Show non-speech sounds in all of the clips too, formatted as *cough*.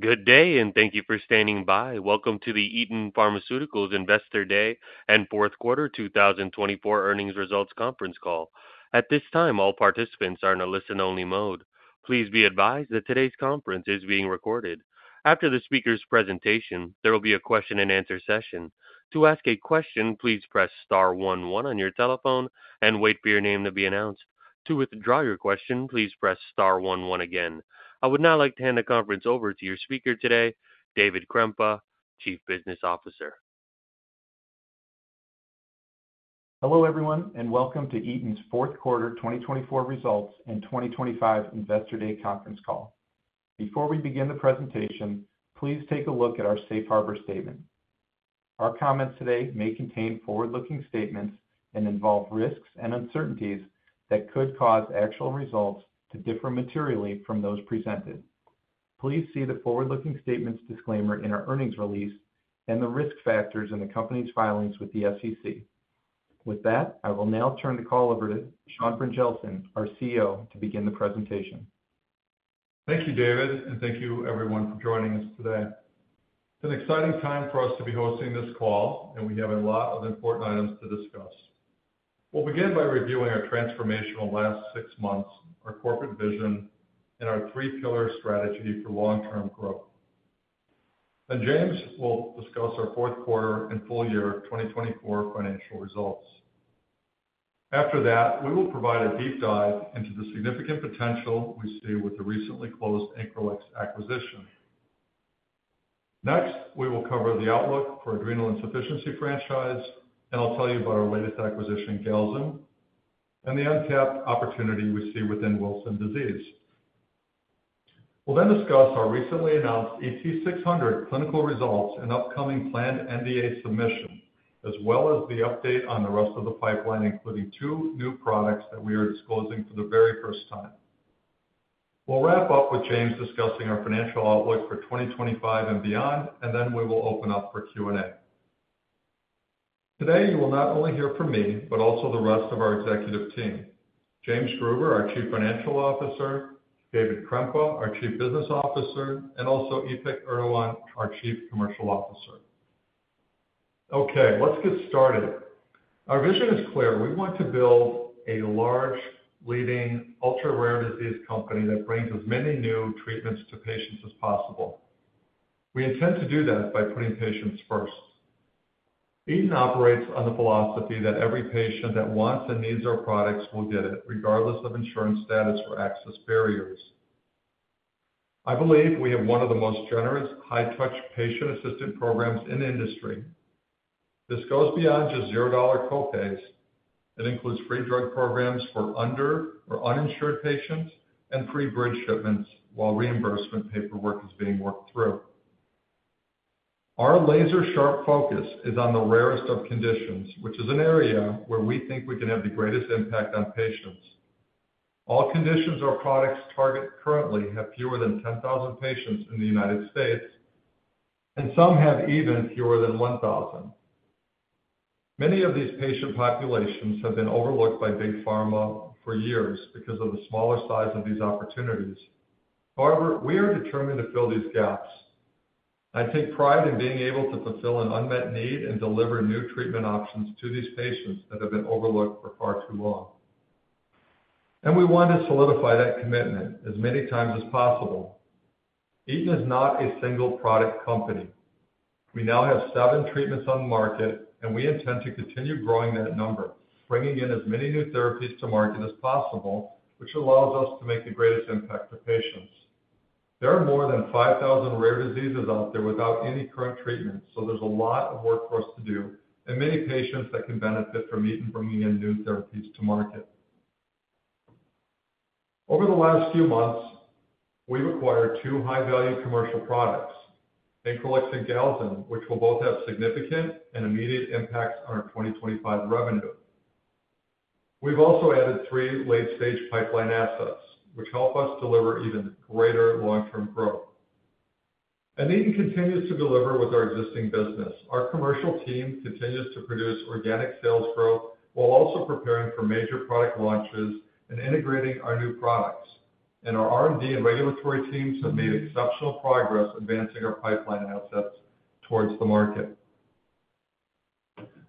Good day, and thank you for standing by. Welcome to the Eton Pharmaceuticals Investor Day and Fourth Quarter 2024 Earnings Results Conference Call. At this time, all participants are in a listen-only mode. Please be advised that today's conference is being recorded. After the speaker's presentation, there will be a question-and-answer session. To ask a question, please press star 11 on your telephone and wait for your name to be announced. To withdraw your question, please press star 11 again. I would now like to hand the conference over to your speaker today, David Krempa, Chief Business Officer. Hello everyone, and welcome to Eton's Fourth Quarter 2024 Results and 2025 Investor Day Conference Call. Before we begin the presentation, please take a look at our Safe Harbor Statement. Our comments today may contain forward-looking statements and involve risks and uncertainties that could cause actual results to differ materially from those presented. Please see the forward-looking statements disclaimer in our earnings release and the risk factors in the company's filings with the SEC. With that, I will now turn the call over to Sean Brynjelsen, our CEO, to begin the presentation. Thank you, David, and thank you everyone for joining us today. It's an exciting time for us to be hosting this call, and we have a lot of important items to discuss. We'll begin by reviewing our transformational last six months, our corporate vision, and our three-pillar strategy for long-term growth. Then James will discuss our fourth quarter and full year 2024 financial results. After that, we will provide a deep dive into the significant potential we see with the recently closed Increlex acquisition. Next, we will cover the outlook for Adrenal Insufficiency franchise, and I'll tell you about our latest acquisition, Galzin, and the untapped opportunity we see within Wilson Disease. We'll then discuss our recently announced ET600 clinical results and upcoming planned New Drug Application submission, as well as the update on the rest of the pipeline, including two new products that we are disclosing for the very first time. We'll wrap up with James discussing our financial outlook for 2025 and beyond, and then we will open up for Q&A. Today, you will not only hear from me, but also the rest of our executive team: James Gruber, our Chief Financial Officer; David Krempa, our Chief Business Officer; and also Ipek Erdoğan, our Chief Commercial Officer. Okay, let's get started. Our vision is clear. We want to build a large, leading, ultra-rare disease company that brings as many new treatments to patients as possible. We intend to do that by putting patients first. Eton operates on the philosophy that every patient that wants and needs our products will get it, regardless of insurance status or access barriers. I believe we have one of the most generous, high-touch patient assistance programs in the industry. This goes beyond just zero-dollar copays. It includes free drug programs for under- or uninsured patients and free bridge shipments while reimbursement paperwork is being worked through. Our laser-sharp focus is on the rarest of conditions, which is an area where we think we can have the greatest impact on patients. All conditions our products target currently have fewer than 10,000 patients in the United States, and some have even fewer than 1,000. Many of these patient populations have been overlooked by Big Pharma for years because of the smaller size of these opportunities. However, we are determined to fill these gaps. I take pride in being able to fulfill an unmet need and deliver new treatment options to these patients that have been overlooked for far too long. We want to solidify that commitment as many times as possible. Eton is not a single-product company. We now have seven treatments on the market, and we intend to continue growing that number, bringing in as many new therapies to market as possible, which allows us to make the greatest impact to patients. There are more than 5,000 rare diseases out there without any current treatment, so there's a lot of work for us to do and many patients that can benefit from Eton bringing in new therapies to market. Over the last few months, we've acquired two high-value commercial products, Incralyx and Galzin, which will both have significant and immediate impacts on our 2025 revenue. We've also added three late-stage pipeline assets, which help us deliver even greater long-term growth. Eton continues to deliver with our existing business. Our commercial team continues to produce organic sales growth while also preparing for major product launches and integrating our new products. Our R&D and regulatory teams have made exceptional progress advancing our pipeline assets towards the market.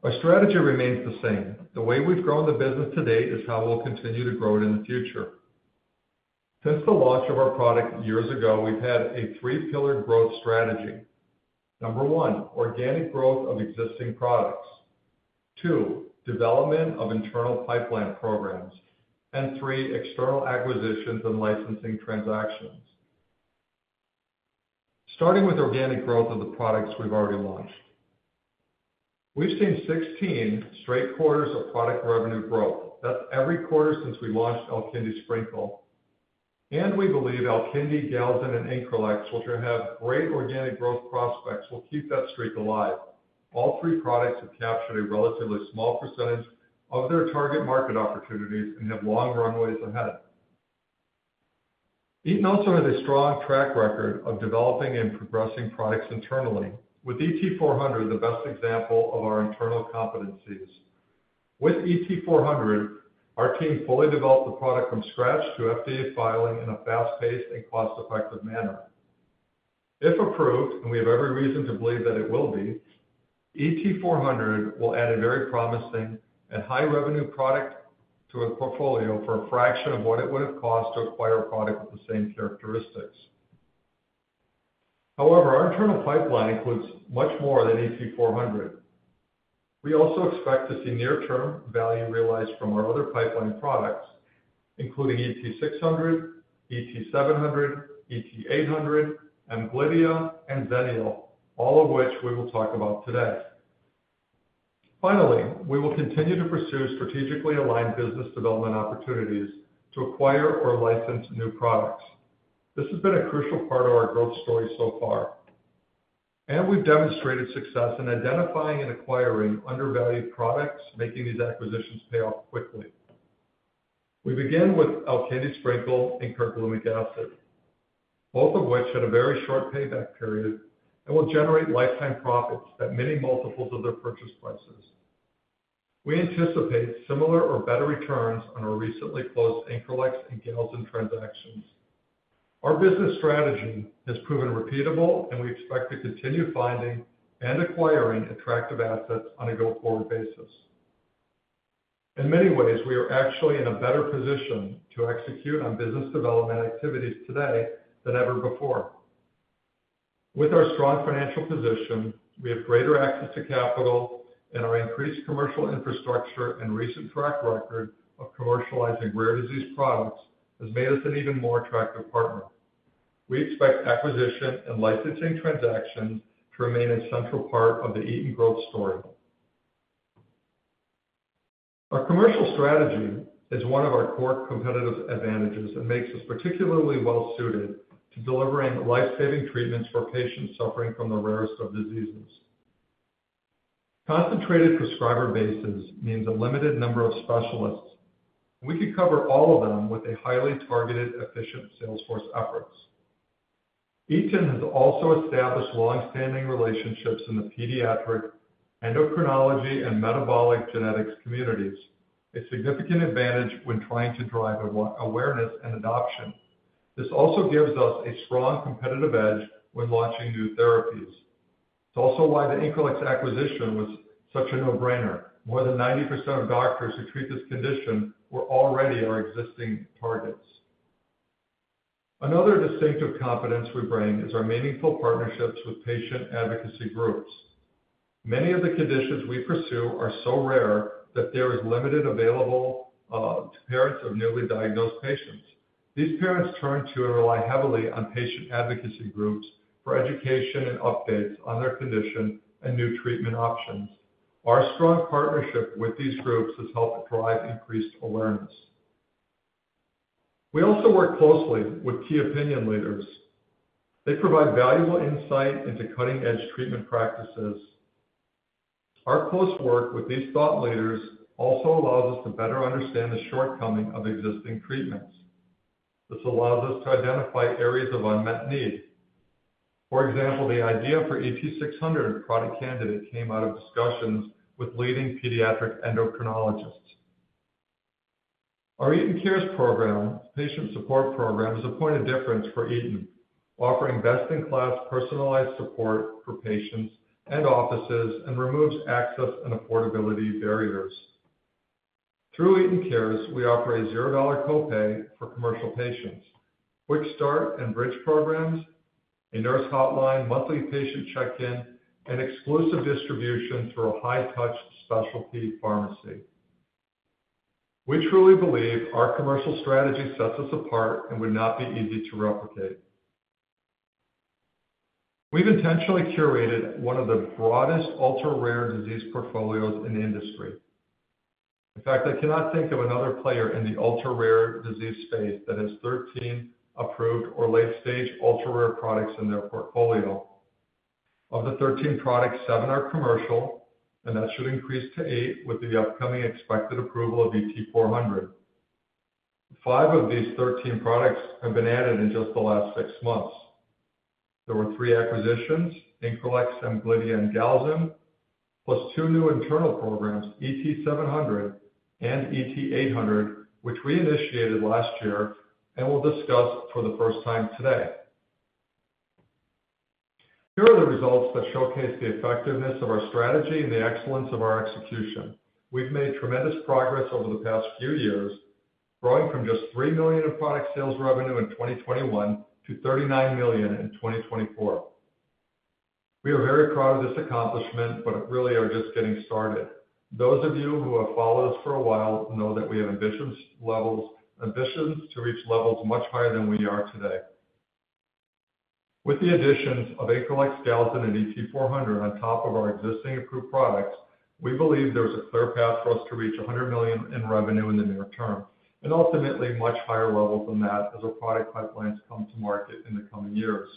Our strategy remains the same. The way we've grown the business to date is how we'll continue to grow it in the future. Since the launch of our product years ago, we've had a three-pillar growth strategy. Number one, organic growth of existing products. Two, development of internal pipeline programs. Three, external acquisitions and licensing transactions. Starting with organic growth of the products we've already launched. We've seen 16 straight quarters of product revenue growth. That's every quarter since we launched Alkindi Sprinkle. We believe Alkindi Sprinkle, Galzin, and Increlex, which have great organic growth prospects, will keep that streak alive. All three products have captured a relatively small percentage of their target market opportunities and have long runways ahead. Eton also has a strong track record of developing and progressing products internally, with ET400 the best example of our internal competencies. With ET400, our team fully developed the product from scratch to FDA filing in a fast-paced and cost-effective manner. If approved, and we have every reason to believe that it will be, ET400 will add a very promising and high-revenue product to a portfolio for a fraction of what it would have cost to acquire a product with the same characteristics. However, our internal pipeline includes much more than ET400. We also expect to see near-term value realized from our other pipeline products, including ET600, ET700, ET800, Amglidia, and Zenio, all of which we will talk about today. Finally, we will continue to pursue strategically aligned business development opportunities to acquire or license new products. This has been a crucial part of our growth story so far. We have demonstrated success in identifying and acquiring undervalued products, making these acquisitions pay off quickly. We begin with Alkindi Sprinkle and Carglumic Acid, both of which had a very short payback period and will generate lifetime profits at many multiples of their purchase prices. We anticipate similar or better returns on our recently closed Increlex and Galzin transactions. Our business strategy has proven repeatable, and we expect to continue finding and acquiring attractive assets on a go-forward basis. In many ways, we are actually in a better position to execute on business development activities today than ever before. With our strong financial position, we have greater access to capital, and our increased commercial infrastructure and recent track record of commercializing rare disease products has made us an even more attractive partner. We expect acquisition and licensing transactions to remain a central part of the Eton growth story. Our commercial strategy is one of our core competitive advantages and makes us particularly well-suited to delivering lifesaving treatments for patients suffering from the rarest of diseases. Concentrated prescriber bases means a limited number of specialists. We could cover all of them with highly targeted, efficient Salesforce efforts. Eton has also established long-standing relationships in the pediatric, endocrinology, and metabolic genetics communities, a significant advantage when trying to drive awareness and adoption. This also gives us a strong competitive edge when launching new therapies. It's also why the Increlex acquisition was such a no-brainer. More than 90% of doctors who treat this condition were already our existing targets. Another distinctive competence we bring is our meaningful partnerships with patient advocacy groups. Many of the conditions we pursue are so rare that there is limited availability to parents of newly diagnosed patients. These parents turn to and rely heavily on patient advocacy groups for education and updates on their condition and new treatment options. Our strong partnership with these groups has helped drive increased awareness. We also work closely with key opinion leaders. They provide valuable insight into cutting-edge treatment practices. Our close work with these thought leaders also allows us to better understand the shortcomings of existing treatments. This allows us to identify areas of unmet need. For example, the idea for ET600 product candidate came out of discussions with leading pediatric endocrinologists. Our Eton Cares program, the patient support program, is a point of difference for Eton, offering best-in-class personalized support for patients and offices and removes access and affordability barriers. Through Eton Cares, we offer a zero-dollar copay for commercial patients, Quick Start and Bridge programs, a nurse hotline, monthly patient check-in, and exclusive distribution through a high-touch specialty pharmacy. We truly believe our commercial strategy sets us apart and would not be easy to replicate. We've intentionally curated one of the broadest ultra-rare disease portfolios in the industry. In fact, I cannot think of another player in the ultra-rare disease space that has 13 approved or late-stage ultra-rare products in their portfolio. Of the 13 products, seven are commercial, and that should increase to eight with the upcoming expected approval of ET400. Five of these 13 products have been added in just the last six months. There were three acquisitions: AnchorLex, Amglidia, and Galzin, plus two new internal programs, ET700 and ET800, which we initiated last year and will discuss for the first time today. Here are the results that showcase the effectiveness of our strategy and the excellence of our execution. We've made tremendous progress over the past few years, growing from just $3 million in product sales revenue in 2021 to $39 million in 2024. We are very proud of this accomplishment, but really are just getting started. Those of you who have followed us for a while know that we have ambitions to reach levels much higher than we are today. With the additions of Increlex, Galzin, and ET400 on top of our existing approved products, we believe there is a clear path for us to reach $100 million in revenue in the near term and ultimately much higher levels than that as our product pipelines come to market in the coming years.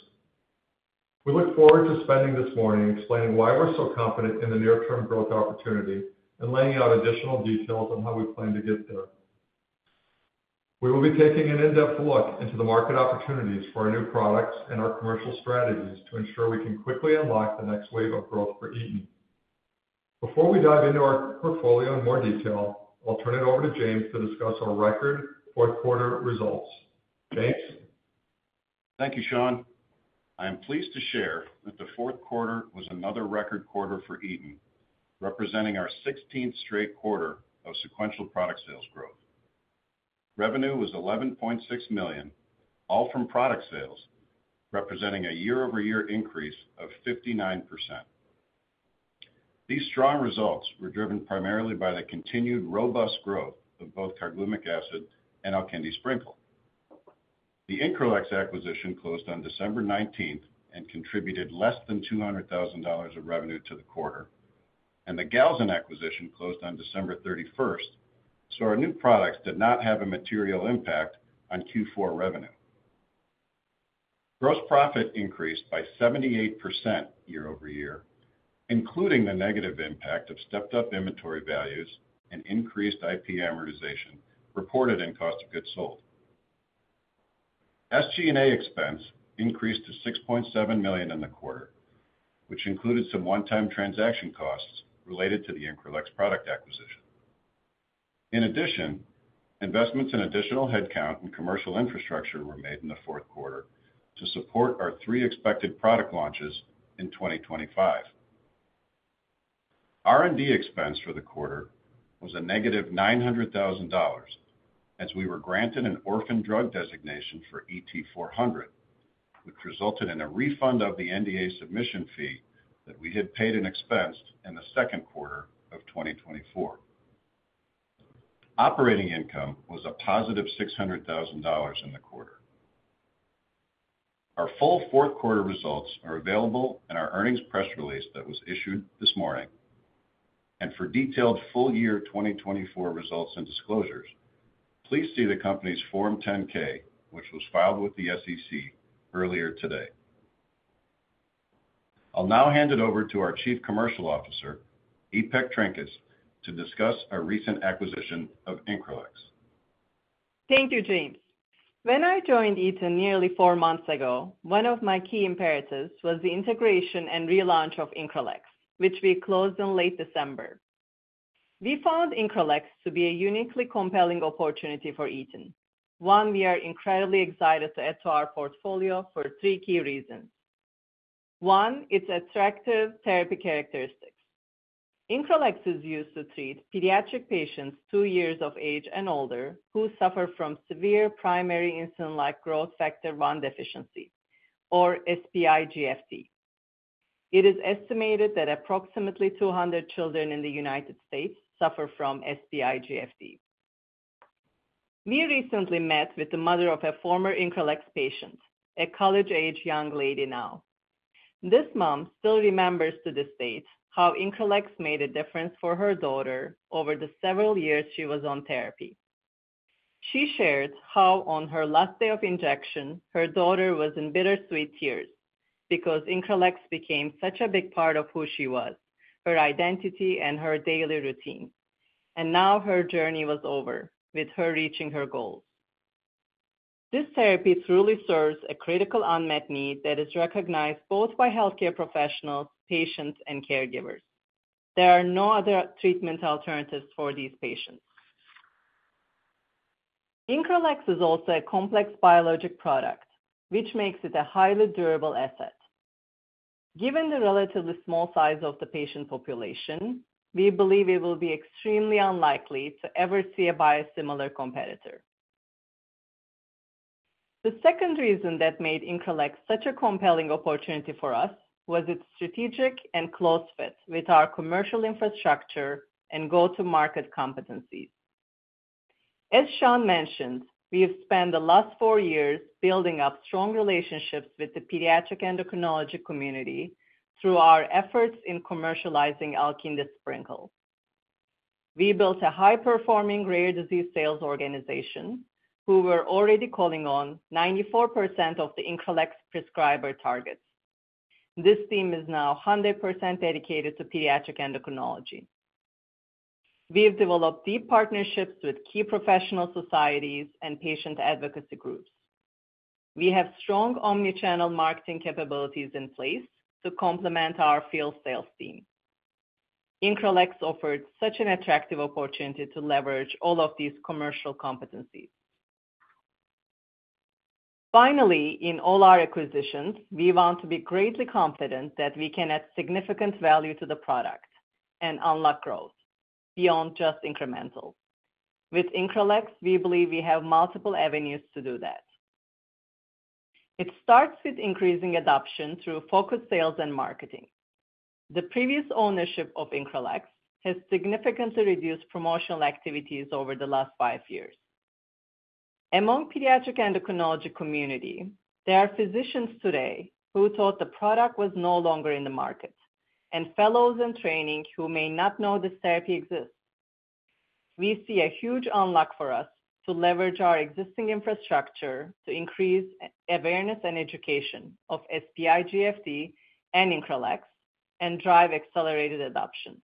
We look forward to spending this morning explaining why we're so confident in the near-term growth opportunity and laying out additional details on how we plan to get there. We will be taking an in-depth look into the market opportunities for our new products and our commercial strategies to ensure we can quickly unlock the next wave of growth for Eton. Before we dive into our portfolio in more detail, I'll turn it over to James to discuss our record fourth-quarter results. James. Thank you, Sean. I am pleased to share that the fourth quarter was another record quarter for Eton, representing our 16th straight quarter of sequential product sales growth. Revenue was $11.6 million, all from product sales, representing a year-over-year increase of 59%. These strong results were driven primarily by the continued robust growth of both Carglumic Acid and Alkindi Sprinkle. The Increlex acquisition closed on December 19th and contributed less than $200,000 of revenue to the quarter, and the Galzin acquisition closed on December 31st, so our new products did not have a material impact on Q4 revenue. Gross profit increased by 78% year-over-year, including the negative impact of stepped-up inventory values and increased IP amortization reported in cost of goods sold. SG&A expense increased to $6.7 million in the quarter, which included some one-time transaction costs related to the Increlex product acquisition. In addition, investments in additional headcount and commercial infrastructure were made in the fourth quarter to support our three expected product launches in 2025. R&D expense for the quarter was a negative $900,000 as we were granted an orphan drug designation for ET400, which resulted in a refund of the NDA submission fee that we had paid in expense in the second quarter of 2024. Operating income was a positive $600,000 in the quarter. Our full fourth-quarter results are available in our earnings press release that was issued this morning. For detailed full-year 2024 results and disclosures, please see the company's Form 10-K, which was filed with the SEC earlier today. I'll now hand it over to our Chief Commercial Officer, Ipek Erdoğan-Trinkaus, to discuss our recent acquisition of Increlex. Thank you, James. When I joined Eton nearly four months ago, one of my key imperatives was the integration and relaunch of Increlex, which we closed in late December. We found Increlex to be a uniquely compelling opportunity for Eton, one we are incredibly excited to add to our portfolio for three key reasons. One, its attractive therapy characteristics. Increlex is used to treat pediatric patients two years of age and older who suffer from severe primary IGF-1 deficiency, or SPIGFD. It is estimated that approximately 200 children in the United States suffer from SPIGFD. We recently met with the mother of a former Increlex patient, a college-age young lady now. This mom still remembers to this date how Increlex made a difference for her daughter over the several years she was on therapy. She shared how on her last day of injection, her daughter was in bittersweet tears because Increlex became such a big part of who she was, her identity, and her daily routine. Now her journey was over, with her reaching her goals. This therapy truly serves a critical unmet need that is recognized both by healthcare professionals, patients, and caregivers. There are no other treatment alternatives for these patients. Increlex is also a complex biologic product, which makes it a highly durable asset. Given the relatively small size of the patient population, we believe it will be extremely unlikely to ever see a biosimilar competitor. The second reason that made Increlex such a compelling opportunity for us was its strategic and close fit with our commercial infrastructure and go-to-market competencies. As Sean mentioned, we have spent the last four years building up strong relationships with the pediatric endocrinology community through our efforts in commercializing Alkindi Sprinkle. We built a high-performing rare disease sales organization who were already calling on 94% of the Increlex prescriber targets. This team is now 100% dedicated to pediatric endocrinology. We have developed deep partnerships with key professional societies and patient advocacy groups. We have strong omnichannel marketing capabilities in place to complement our field sales team. Increlex offered such an attractive opportunity to leverage all of these commercial competencies. Finally, in all our acquisitions, we want to be greatly confident that we can add significant value to the product and unlock growth beyond just incremental. With Increlex, we believe we have multiple avenues to do that. It starts with increasing adoption through focused sales and marketing. The previous ownership of Increlex has significantly reduced promotional activities over the last five years. Among the pediatric endocrinology community, there are physicians today who thought the product was no longer in the market and fellows in training who may not know this therapy exists. We see a huge unlock for us to leverage our existing infrastructure to increase awareness and education of SPIGFD and Increlex and drive accelerated adoption.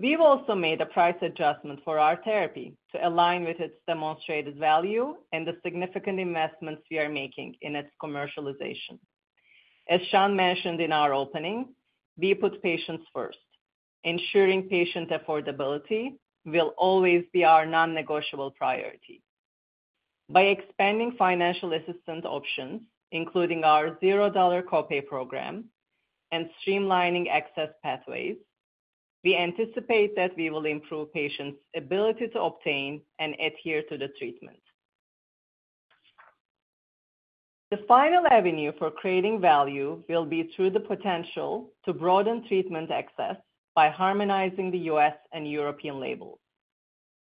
We've also made a price adjustment for our therapy to align with its demonstrated value and the significant investments we are making in its commercialization. As Sean mentioned in our opening, we put patients first. Ensuring patient affordability will always be our non-negotiable priority. By expanding financial assistance options, including our zero-dollar copay program and streamlining access pathways, we anticipate that we will improve patients' ability to obtain and adhere to the treatment. The final avenue for creating value will be through the potential to broaden treatment access by harmonizing the U.S. and European labels.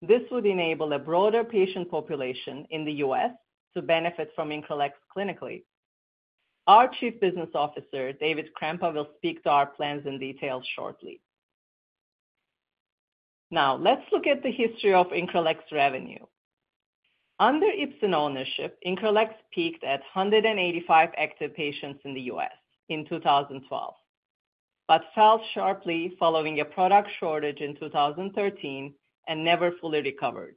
This would enable a broader patient population in the U.S. to benefit from Increlex clinically. Our Chief Business Officer, David Krempa, will speak to our plans in detail shortly. Now, let's look at the history of Increlex revenue. Under Ipsen ownership, Increlex peaked at 185 active patients in the U.S. in 2012, but fell sharply following a product shortage in 2013 and never fully recovered.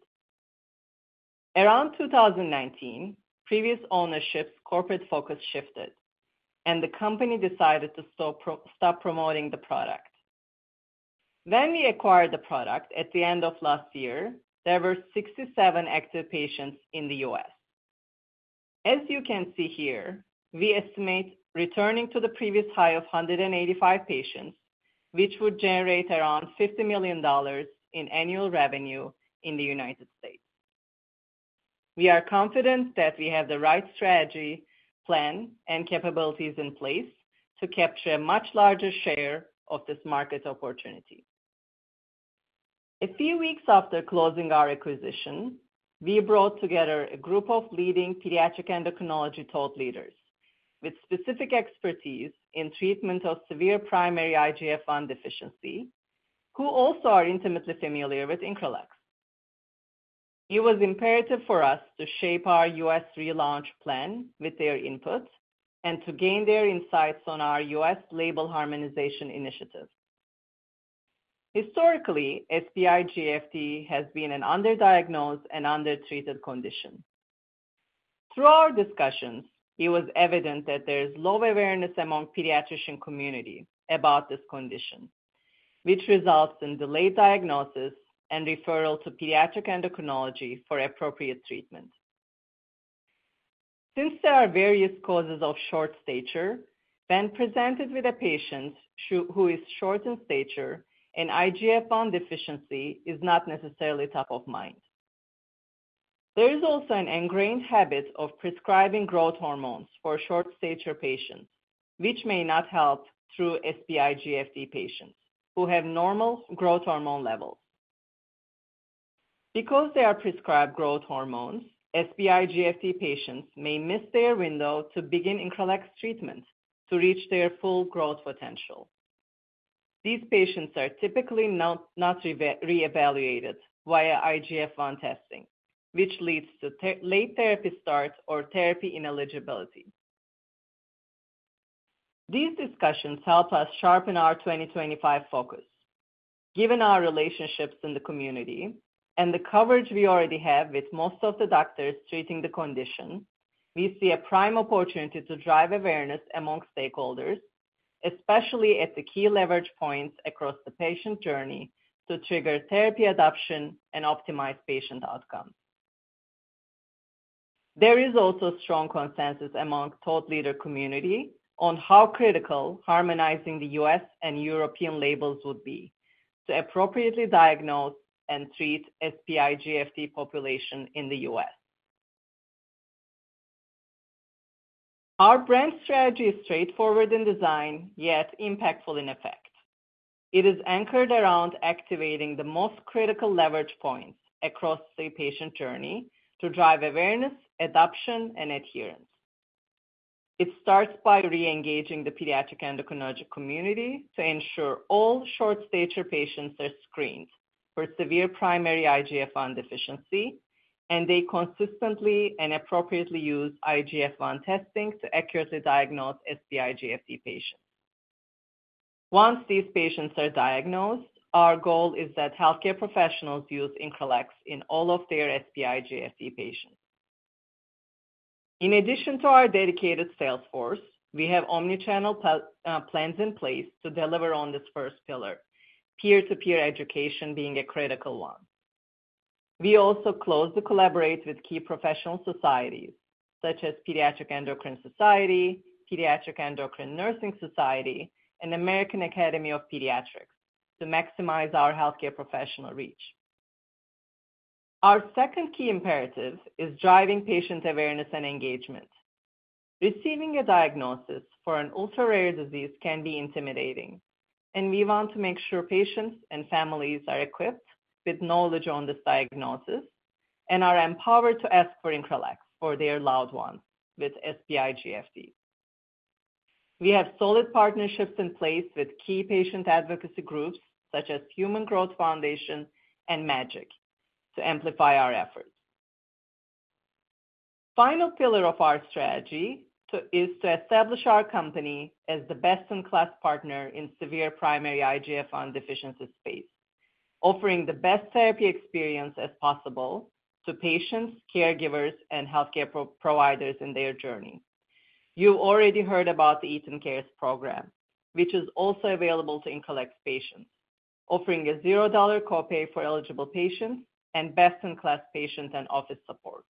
Around 2019, previous ownership's corporate focus shifted, and the company decided to stop promoting the product. When we acquired the product at the end of last year, there were 67 active patients in the U.S. As you can see here, we estimate returning to the previous high of 185 patients, which would generate around $50 million in annual revenue in the United States. We are confident that we have the right strategy, plan, and capabilities in place to capture a much larger share of this market opportunity. A few weeks after closing our acquisition, we brought together a group of leading pediatric endocrinology thought leaders with specific expertise in treatment of severe primary IGF-1 deficiency who also are intimately familiar with Increlex. It was imperative for us to shape our U.S. relaunch plan with their input and to gain their insights on our U.S. label harmonization initiative. Historically, SPIGFD has been an underdiagnosed and undertreated condition. Through our discussions, it was evident that there is low awareness among the pediatrician community about this condition, which results in delayed diagnosis and referral to pediatric endocrinology for appropriate treatment. Since there are various causes of short stature, when presented with a patient who is short in stature, an IGF-1 deficiency is not necessarily top of mind. There is also an ingrained habit of prescribing growth hormones for short-stature patients, which may not help those SPIGFD patients who have normal growth hormone levels. Because they are prescribed growth hormones, SPIGFD patients may miss their window to begin Increlex treatment to reach their full growth potential. These patients are typically not reevaluated via IGF-1 testing, which leads to late therapy start or therapy ineligibility. These discussions help us sharpen our 2025 focus. Given our relationships in the community and the coverage we already have with most of the doctors treating the condition, we see a prime opportunity to drive awareness among stakeholders, especially at the key leverage points across the patient journey to trigger therapy adoption and optimize patient outcomes. There is also strong consensus among the thought leader community on how critical harmonizing the U.S. and European labels would be to appropriately diagnose and treat SPIGFD population in the U.S. Our brand strategy is straightforward in design, yet impactful in effect. It is anchored around activating the most critical leverage points across the patient journey to drive awareness, adoption, and adherence. It starts by reengaging the pediatric endocrinology community to ensure all short-stature patients are screened for severe primary IGF-1 deficiency, and they consistently and appropriately use IGF-1 testing to accurately diagnose SPIGFD patients. Once these patients are diagnosed, our goal is that healthcare professionals use Increlex in all of their SPIGFD patients. In addition to our dedicated sales force, we have omnichannel plans in place to deliver on this first pillar, peer-to-peer education being a critical one. We also closely collaborate with key professional societies such as Pediatric Endocrine Society, Pediatric Endocrine Nursing Society, and American Academy of Pediatrics to maximize our healthcare professional reach. Our second key imperative is driving patient awareness and engagement. Receiving a diagnosis for an ultra-rare disease can be intimidating, and we want to make sure patients and families are equipped with knowledge on this diagnosis and are empowered to ask for Increlex for their loved ones with SPIGFD. We have solid partnerships in place with key patient advocacy groups such as Human Growth Foundation and MAGIC to amplify our efforts. The final pillar of our strategy is to establish our company as the best-in-class partner in severe primary IGF-1 deficiency space, offering the best therapy experience as possible to patients, caregivers, and healthcare providers in their journey. You've already heard about the Eton Cares program, which is also available to Increlex patients, offering a zero-dollar copay for eligible patients and best-in-class patient and office support.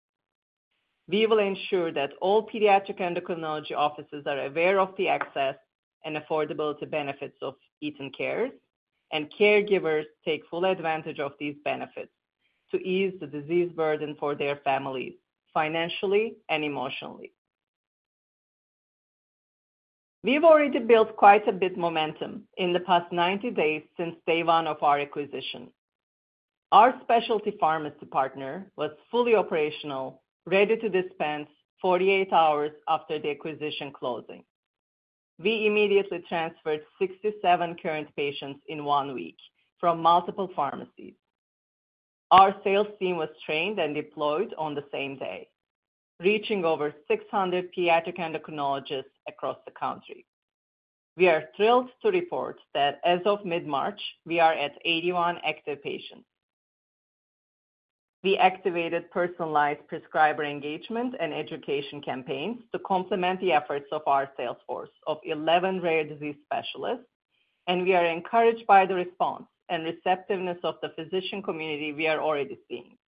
We will ensure that all pediatric endocrinology offices are aware of the access and affordability benefits of Eton Cares, and caregivers take full advantage of these benefits to ease the disease burden for their families financially and emotionally. We've already built quite a bit of momentum in the past 90 days since day one of our acquisition. Our specialty pharmacy partner was fully operational, ready to dispense 48 hours after the acquisition closing. We immediately transferred 67 current patients in one week from multiple pharmacies. Our sales team was trained and deployed on the same day, reaching over 600 pediatric endocrinologists across the country. We are thrilled to report that as of mid-March, we are at 81 active patients. We activated personalized prescriber engagement and education campaigns to complement the efforts of our sales force of 11 rare disease specialists, and we are encouraged by the response and receptiveness of the physician community we are already seeing.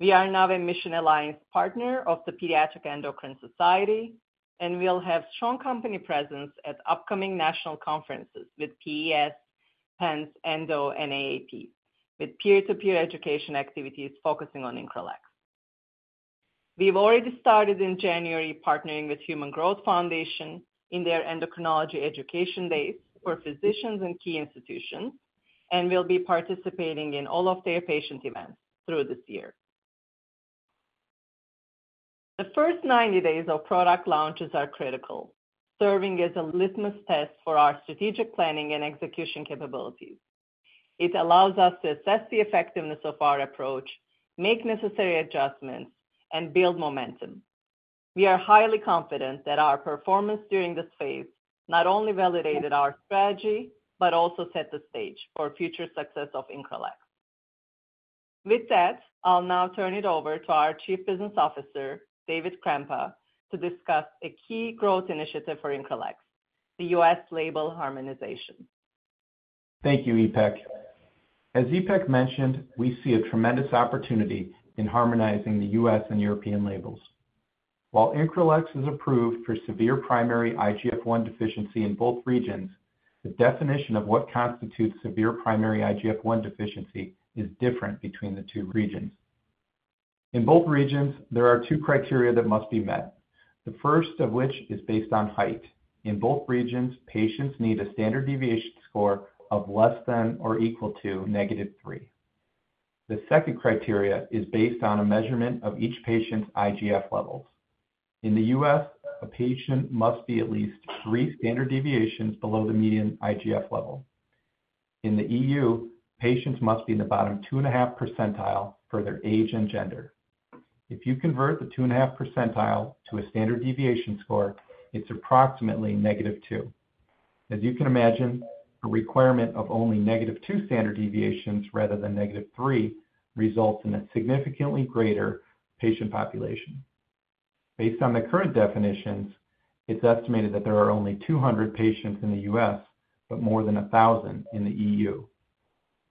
We are now a mission-aligned partner of the Pediatric Endocrine Society, and we will have a strong company presence at upcoming national conferences with PES, PENS, ENDO, and AAP, with peer-to-peer education activities focusing on Increlex. We have already started in January partnering with Human Growth Foundation in their endocrinology education days for physicians and key institutions, and we will be participating in all of their patient events through this year. The first 90 days of product launches are critical, serving as a litmus test for our strategic planning and execution capabilities. It allows us to assess the effectiveness of our approach, make necessary adjustments, and build momentum. We are highly confident that our performance during this phase not only validated our strategy, but also set the stage for future success of Increlex. With that, I'll now turn it over to our Chief Business Officer, David Krempa, to discuss a key growth initiative for Increlex, the US label harmonization. Thank you, Ipek. As Ipek mentioned, we see a tremendous opportunity in harmonizing the US and European labels. While Increlex is approved for severe primary IGF-1 deficiency in both regions, the definition of what constitutes severe primary IGF-1 deficiency is different between the two regions. In both regions, there are two criteria that must be met, the first of which is based on height. In both regions, patients need a standard deviation score of less than or equal to negative three. The second criteria is based on a measurement of each patient's IGF levels. In the U.S., a patient must be at least three standard deviations below the median IGF level. In the EU, patients must be in the bottom 2.5% for their age and gender. If you convert the 2.5% to a standard deviation score, it's approximately negative two. As you can imagine, a requirement of only negative two standard deviations rather than negative three results in a significantly greater patient population. Based on the current definitions, it's estimated that there are only 200 patients in the U.S., but more than 1,000 in the EU.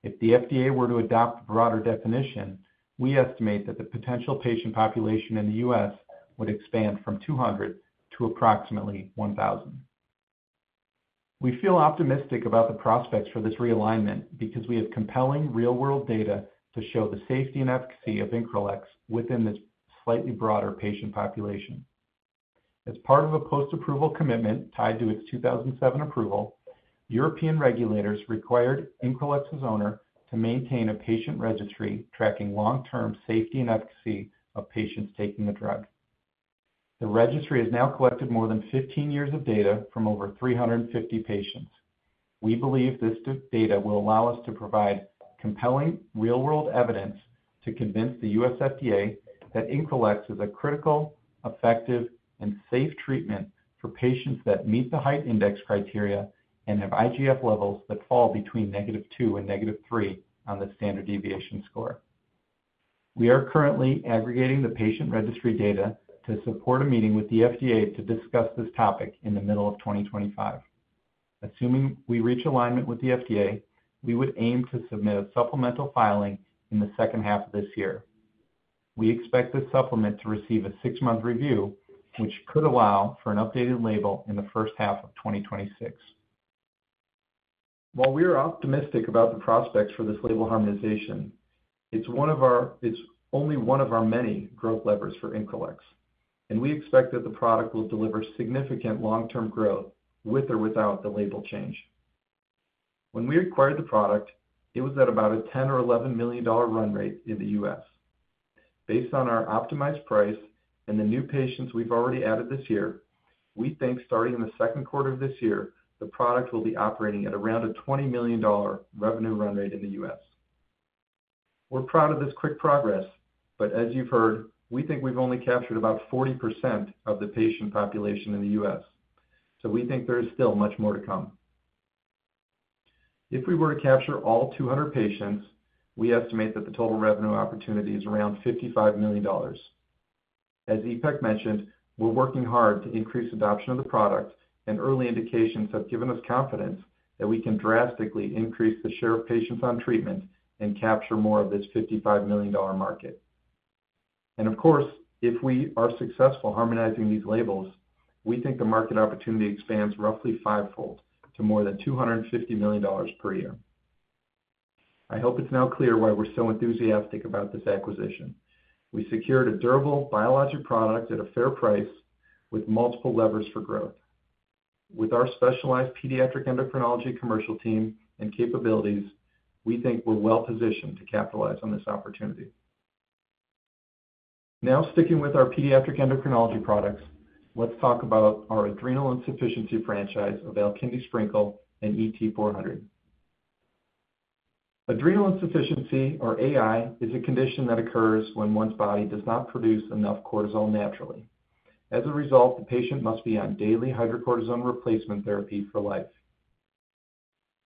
If the FDA were to adopt a broader definition, we estimate that the potential patient population in the U.S. would expand from 200 to approximately 1,000. We feel optimistic about the prospects for this realignment because we have compelling real-world data to show the safety and efficacy of Increlex within this slightly broader patient population. As part of a post-approval commitment tied to its 2007 approval, European regulators required Increlex's owner to maintain a patient registry tracking long-term safety and efficacy of patients taking the drug. The registry has now collected more than 15 years of data from over 350 patients. We believe this data will allow us to provide compelling real-world evidence to convince the U.S. FDA that Increlex is a critical, effective, and safe treatment for patients that meet the height index criteria and have IGF-1 levels that fall between negative two and negative three on the standard deviation score. We are currently aggregating the patient registry data to support a meeting with the FDA to discuss this topic in the middle of 2025. Assuming we reach alignment with the FDA, we would aim to submit a supplemental filing in the second half of this year. We expect this supplement to receive a six-month review, which could allow for an updated label in the first half of 2026. While we are optimistic about the prospects for this label harmonization, it's only one of our many growth levers for Increlex, and we expect that the product will deliver significant long-term growth with or without the label change. When we acquired the product, it was at about a $10 million-$11 million run rate in the U.S. Based on our optimized price and the new patients we've already added this year, we think starting in the second quarter of this year, the product will be operating at around a $20 million revenue run rate in the U.S. We're proud of this quick progress, but as you've heard, we think we've only captured about 40% of the patient population in the U.S., so we think there is still much more to come. If we were to capture all 200 patients, we estimate that the total revenue opportunity is around $55 million. As Ipek mentioned, we're working hard to increase adoption of the product, and early indications have given us confidence that we can drastically increase the share of patients on treatment and capture more of this $55 million market. Of course, if we are successful harmonizing these labels, we think the market opportunity expands roughly fivefold to more than $250 million per year. I hope it's now clear why we're so enthusiastic about this acquisition. We secured a durable biologic product at a fair price with multiple levers for growth. With our specialized pediatric endocrinology commercial team and capabilities, we think we're well positioned to capitalize on this opportunity. Now, sticking with our pediatric endocrinology products, let's talk about our adrenal insufficiency franchise of Alkindi Sprinkle and ET400. Adrenal insufficiency, or AI, is a condition that occurs when one's body does not produce enough cortisol naturally. As a result, the patient must be on daily hydrocortisone replacement therapy for life.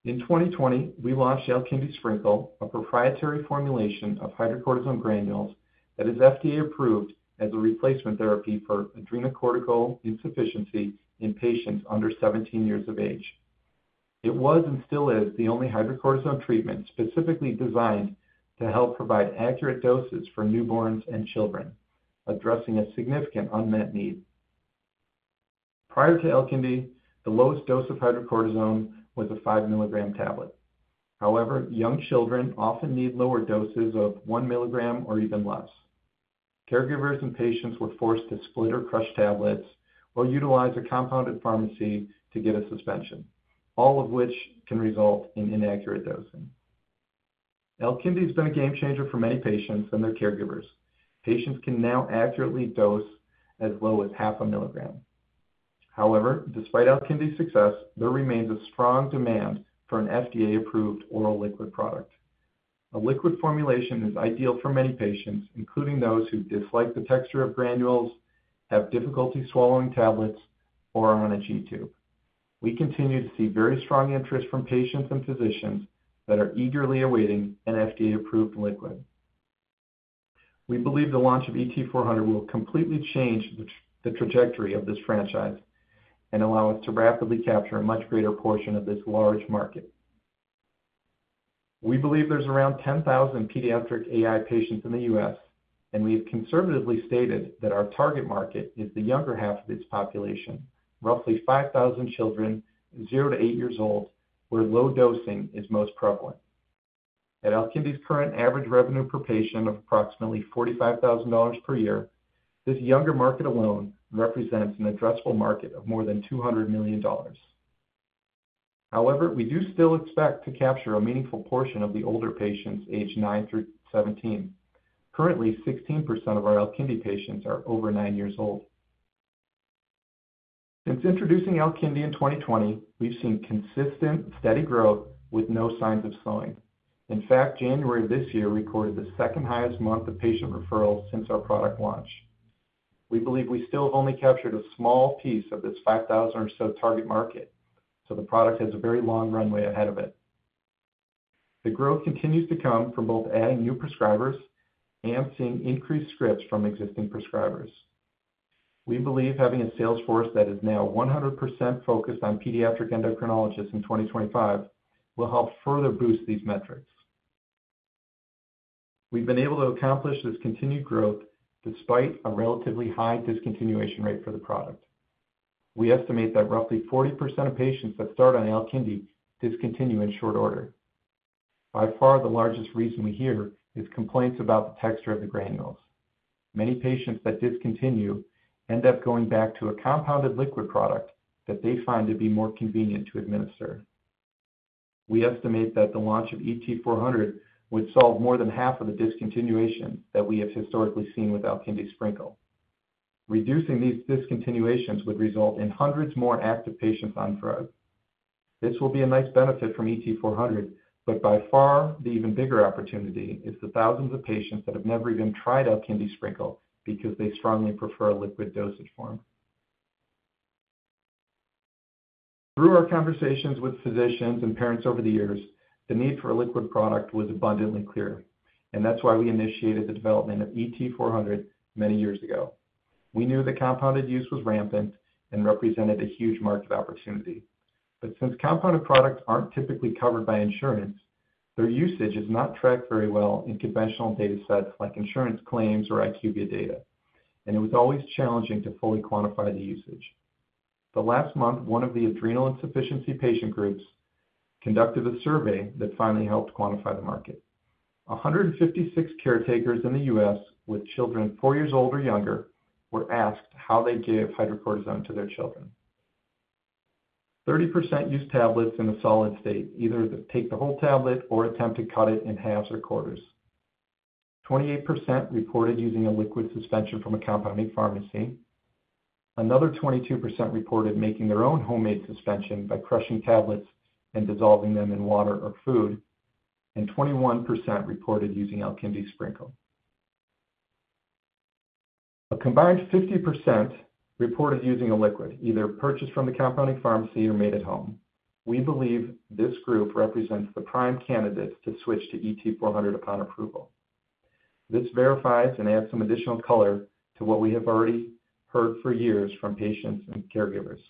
In 2020, we launched Alkindi Sprinkle, a proprietary formulation of hydrocortisone granules that is FDA approved as a replacement therapy for adrenocortical insufficiency in patients under 17 years of age. It was and still is the only hydrocortisone treatment specifically designed to help provide accurate doses for newborns and children, addressing a significant unmet need. Prior to Alkindi, the lowest dose of hydrocortisone was a five milligram tablet. However, young children often need lower doses of one milligram or even less. Caregivers and patients were forced to split or crush tablets or utilize a compounded pharmacy to get a suspension, all of which can result in inaccurate dosing. Alkindi has been a game changer for many patients and their caregivers. Patients can now accurately dose as low as half a milligram. However, despite Alkindi's success, there remains a strong demand for an FDA approved oral liquid product. A liquid formulation is ideal for many patients, including those who dislike the texture of granules, have difficulty swallowing tablets, or are on a G-tube. We continue to see very strong interest from patients and physicians that are eagerly awaiting an FDA approved liquid. We believe the launch of ET400 will completely change the trajectory of this franchise and allow us to rapidly capture a much greater portion of this large market. We believe there's around 10,000 pediatric AI patients in the U.S., and we have conservatively stated that our target market is the younger half of this population, roughly 5,000 children zero to eight years old, where low dosing is most prevalent. At Alkindi's current average revenue per patient of approximately $45,000 per year, this younger market alone represents an addressable market of more than $200 million. However, we do still expect to capture a meaningful portion of the older patients aged 9-17. Currently, 16% of our Alkindi patients are over nine years old. Since introducing Alkindi in 2020, we've seen consistent steady growth with no signs of slowing. In fact, January of this year recorded the second highest month of patient referrals since our product launch. We believe we still have only captured a small piece of this 5,000 or so target market, so the product has a very long runway ahead of it. The growth continues to come from both adding new prescribers and seeing increased scripts from existing prescribers. We believe having a sales force that is now 100% focused on pediatric endocrinologists in 2025 will help further boost these metrics. We've been able to accomplish this continued growth despite a relatively high discontinuation rate for the product. We estimate that roughly 40% of patients that start on Alkindi discontinue in short order. By far, the largest reason we hear is complaints about the texture of the granules. Many patients that discontinue end up going back to a compounded liquid product that they find to be more convenient to administer. We estimate that the launch of ET400 would solve more than half of the discontinuations that we have historically seen with Alkindi Sprinkle. Reducing these discontinuations would result in hundreds more active patients on drug. This will be a nice benefit from ET400, but by far, the even bigger opportunity is the thousands of patients that have never even tried Alkindi Sprinkle because they strongly prefer a liquid dosage form. Through our conversations with physicians and parents over the years, the need for a liquid product was abundantly clear, and that's why we initiated the development of ET400 many years ago. We knew the compounded use was rampant and represented a huge market opportunity. Since compounded products are not typically covered by insurance, their usage is not tracked very well in conventional data sets like insurance claims or IQVIA data, and it was always challenging to fully quantify the usage. The last month, one of the adrenal insufficiency patient groups conducted a survey that finally helped quantify the market. 156 caretakers in the U.S. with children four years old or younger were asked how they gave hydrocortisone to their children. 30% used tablets in a solid state, either to take the whole tablet or attempt to cut it in halves or quarters. 28% reported using a liquid suspension from a compounding pharmacy. Another 22% reported making their own homemade suspension by crushing tablets and dissolving them in water or food, and 21% reported using Alkindi Sprinkle. A combined 50% reported using a liquid, either purchased from the compounding pharmacy or made at home. We believe this group represents the prime candidate to switch to ET400 upon approval. This verifies and adds some additional color to what we have already heard for years from patients and caregivers.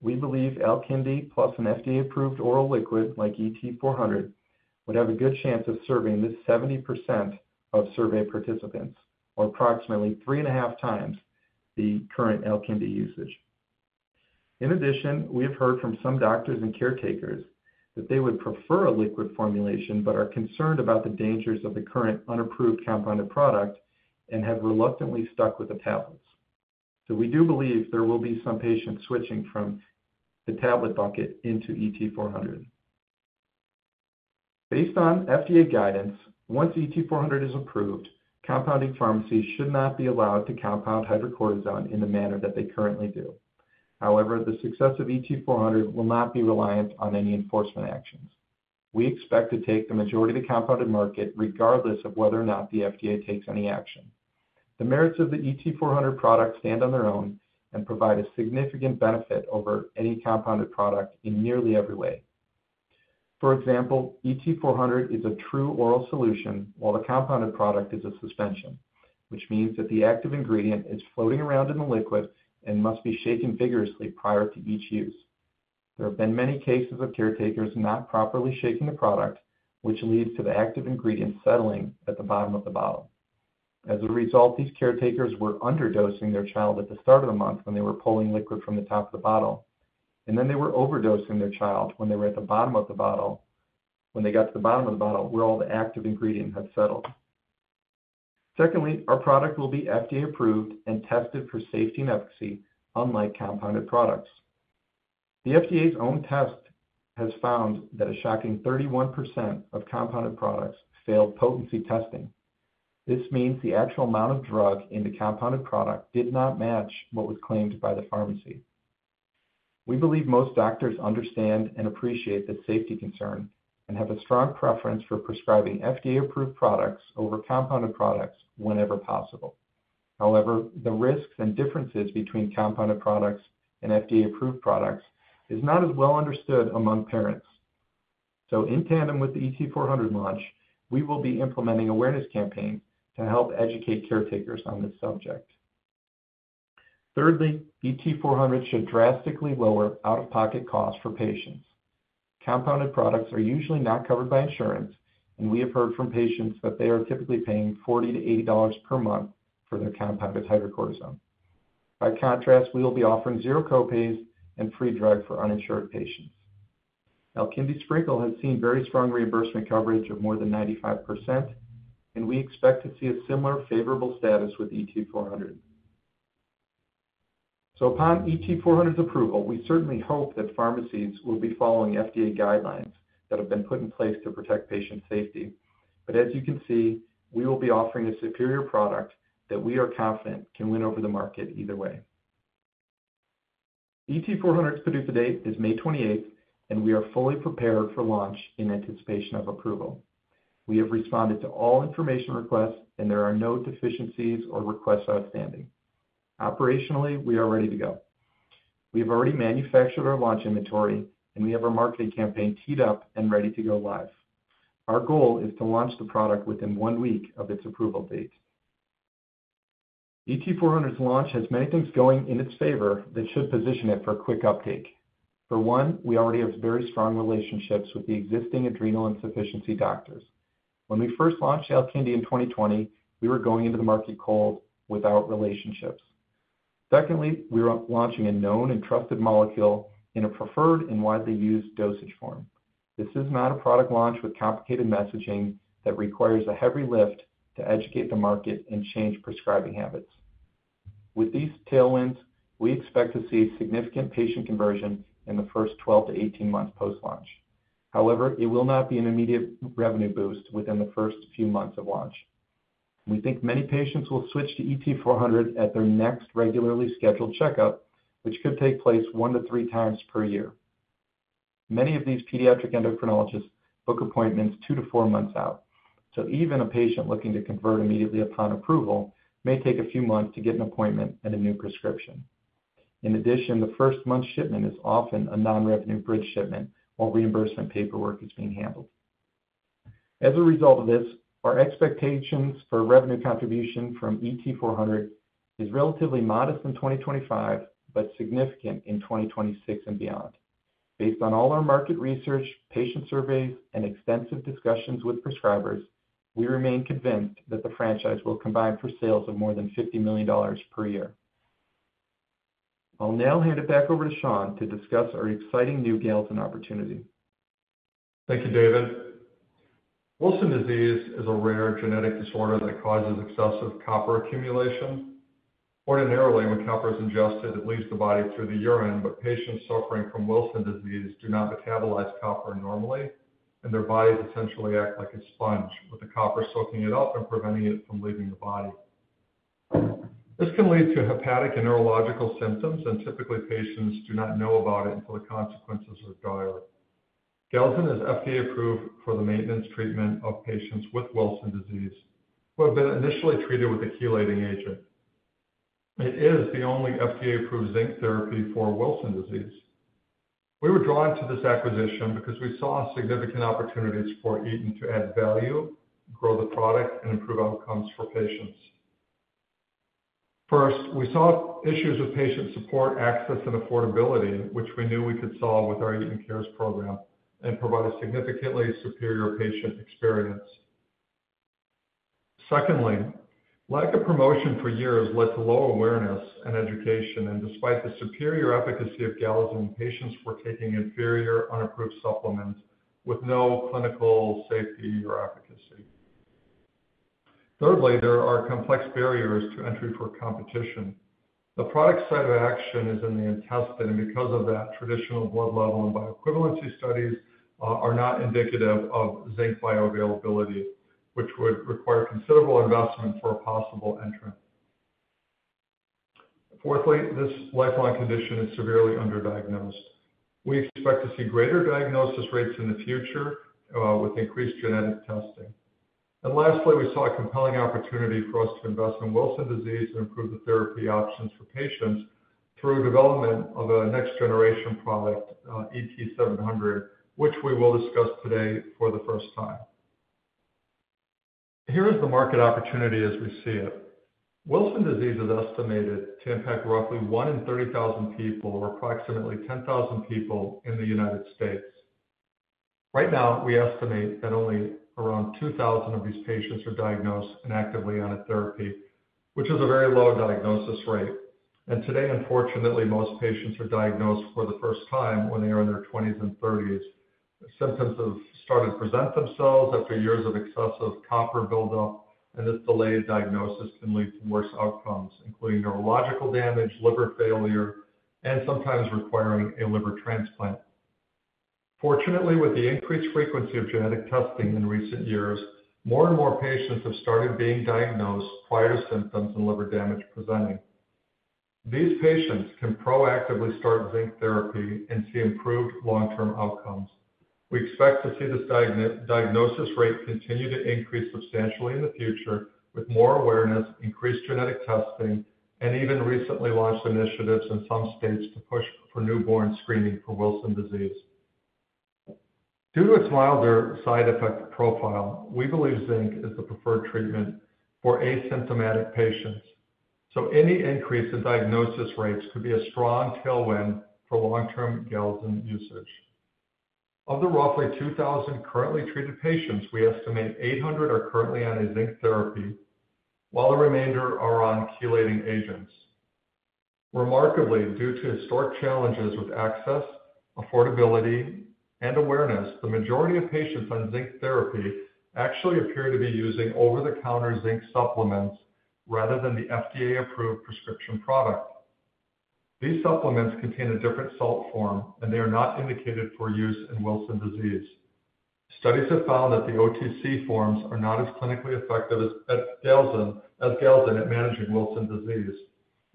We believe Alkindi plus an FDA approved oral liquid like ET400 would have a good chance of serving this 70% of survey participants, or approximately three and a half times the current Alkindi usage. In addition, we have heard from some doctors and caretakers that they would prefer a liquid formulation but are concerned about the dangers of the current unapproved compounded product and have reluctantly stuck with the tablets. We do believe there will be some patients switching from the tablet bucket into ET400. Based on FDA guidance, once ET400 is approved, compounding pharmacies should not be allowed to compound hydrocortisone in the manner that they currently do. However, the success of ET400 will not be reliant on any enforcement actions. We expect to take the majority of the compounded market regardless of whether or not the FDA takes any action. The merits of the ET400 product stand on their own and provide a significant benefit over any compounded product in nearly every way. For example, ET400 is a true oral solution while the compounded product is a suspension, which means that the active ingredient is floating around in the liquid and must be shaken vigorously prior to each use. There have been many cases of caretakers not properly shaking the product, which leads to the active ingredient settling at the bottom of the bottle. As a result, these caretakers were underdosing their child at the start of the month when they were pulling liquid from the top of the bottle, and then they were overdosing their child when they were at the bottom of the bottle when they got to the bottom of the bottle where all the active ingredient had settled. Secondly, our product will be FDA approved and tested for safety and efficacy, unlike compounded products. The FDA's own test has found that a shocking 31% of compounded products failed potency testing. This means the actual amount of drug in the compounded product did not match what was claimed by the pharmacy. We believe most doctors understand and appreciate the safety concern and have a strong preference for prescribing FDA approved products over compounded products whenever possible. However, the risks and differences between compounded products and FDA approved products are not as well understood among parents. In tandem with the ET400 launch, we will be implementing awareness campaigns to help educate caretakers on this subject. Thirdly, ET400 should drastically lower out-of-pocket costs for patients. Compounded products are usually not covered by insurance, and we have heard from patients that they are typically paying $40-$80 per month for their compounded hydrocortisone. By contrast, we will be offering zero copays and free drug for uninsured patients. Alkindi Sprinkle has seen very strong reimbursement coverage of more than 95%, and we expect to see a similar favorable status with ET400. Upon ET400's approval, we certainly hope that pharmacies will be following FDA guidelines that have been put in place to protect patient safety. As you can see, we will be offering a superior product that we are confident can win over the market either way. ET400's produce date is May 28th, and we are fully prepared for launch in anticipation of approval. We have responded to all information requests, and there are no deficiencies or requests outstanding. Operationally, we are ready to go. We have already manufactured our launch inventory, and we have our marketing campaign teed up and ready to go live. Our goal is to launch the product within one week of its approval date. ET400's launch has many things going in its favor that should position it for a quick uptake. For one, we already have very strong relationships with the existing adrenal insufficiency doctors. When we first launched Alkindi in 2020, we were going into the market cold without relationships. Secondly, we are launching a known and trusted molecule in a preferred and widely used dosage form. This is not a product launch with complicated messaging that requires a heavy lift to educate the market and change prescribing habits. With these tailwinds, we expect to see significant patient conversion in the first 12 to 18 months post-launch. However, it will not be an immediate revenue boost within the first few months of launch. We think many patients will switch to ET400 at their next regularly scheduled checkup, which could take place one to three times per year. Many of these pediatric endocrinologists book appointments two to four months out, so even a patient looking to convert immediately upon approval may take a few months to get an appointment and a new prescription. In addition, the first month's shipment is often a non-revenue bridge shipment while reimbursement paperwork is being handled. As a result of this, our expectations for revenue contribution from ET400 are relatively modest in 2025, but significant in 2026 and beyond. Based on all our market research, patient surveys, and extensive discussions with prescribers, we remain convinced that the franchise will combine for sales of more than $50 million per year. I'll now hand it back over to Sean to discuss our exciting new Galzin and opportunity. Thank you, David. Wilson disease is a rare genetic disorder that causes excessive copper accumulation. Ordinarily, when copper is ingested, it leaves the body through the urine, but patients suffering from Wilson disease do not metabolize copper normally, and their bodies essentially act like a sponge, with the copper soaking it up and preventing it from leaving the body. This can lead to hepatic and neurological symptoms, and typically, patients do not know about it until the consequences are dire. Galzin is FDA approved for the maintenance treatment of patients with Wilson disease who have been initially treated with a chelating agent. It is the only FDA approved zinc therapy for Wilson disease. We were drawn to this acquisition because we saw significant opportunities for Eton to add value, grow the product, and improve outcomes for patients. First, we saw issues with patient support, access, and affordability, which we knew we could solve with our Eton Cares program and provide a significantly superior patient experience. Secondly, lack of promotion for years led to low awareness and education, and despite the superior efficacy of Galzin, patients were taking inferior unapproved supplements with no clinical safety or efficacy. Thirdly, there are complex barriers to entry for competition. The product's site of action is in the intestine, and because of that, traditional blood level and bioequivalency studies are not indicative of zinc bioavailability, which would require considerable investment for a possible entrant. Fourthly, this lifelong condition is severely underdiagnosed. We expect to see greater diagnosis rates in the future with increased genetic testing. Lastly, we saw a compelling opportunity for us to invest in Wilson disease and improve the therapy options for patients through development of a next-generation product, ET700, which we will discuss today for the first time. Here is the market opportunity as we see it. Wilson disease is estimated to impact roughly 1 in 30,000 people, or approximately 10,000 people in the United States. Right now, we estimate that only around 2,000 of these patients are diagnosed and actively on a therapy, which is a very low diagnosis rate. Today, unfortunately, most patients are diagnosed for the first time when they are in their 20s and 30s. Symptoms have started to present themselves after years of excessive copper buildup, and this delayed diagnosis can lead to worse outcomes, including neurological damage, liver failure, and sometimes requiring a liver transplant. Fortunately, with the increased frequency of genetic testing in recent years, more and more patients have started being diagnosed prior to symptoms and liver damage presenting. These patients can proactively start zinc therapy and see improved long-term outcomes. We expect to see this diagnosis rate continue to increase substantially in the future with more awareness, increased genetic testing, and even recently launched initiatives in some states to push for newborn screening for Wilson disease. Due to its milder side effect profile, we believe zinc is the preferred treatment for asymptomatic patients. Any increase in diagnosis rates could be a strong tailwind for long-term Galzin usage. Of the roughly 2,000 currently treated patients, we estimate 800 are currently on a zinc therapy, while the remainder are on chelating agents. Remarkably, due to historic challenges with access, affordability, and awareness, the majority of patients on zinc therapy actually appear to be using over-the-counter zinc supplements rather than the FDA approved prescription product. These supplements contain a different salt form, and they are not indicated for use in Wilson disease. Studies have found that the OTC forms are not as clinically effective as Galzin at managing Wilson disease.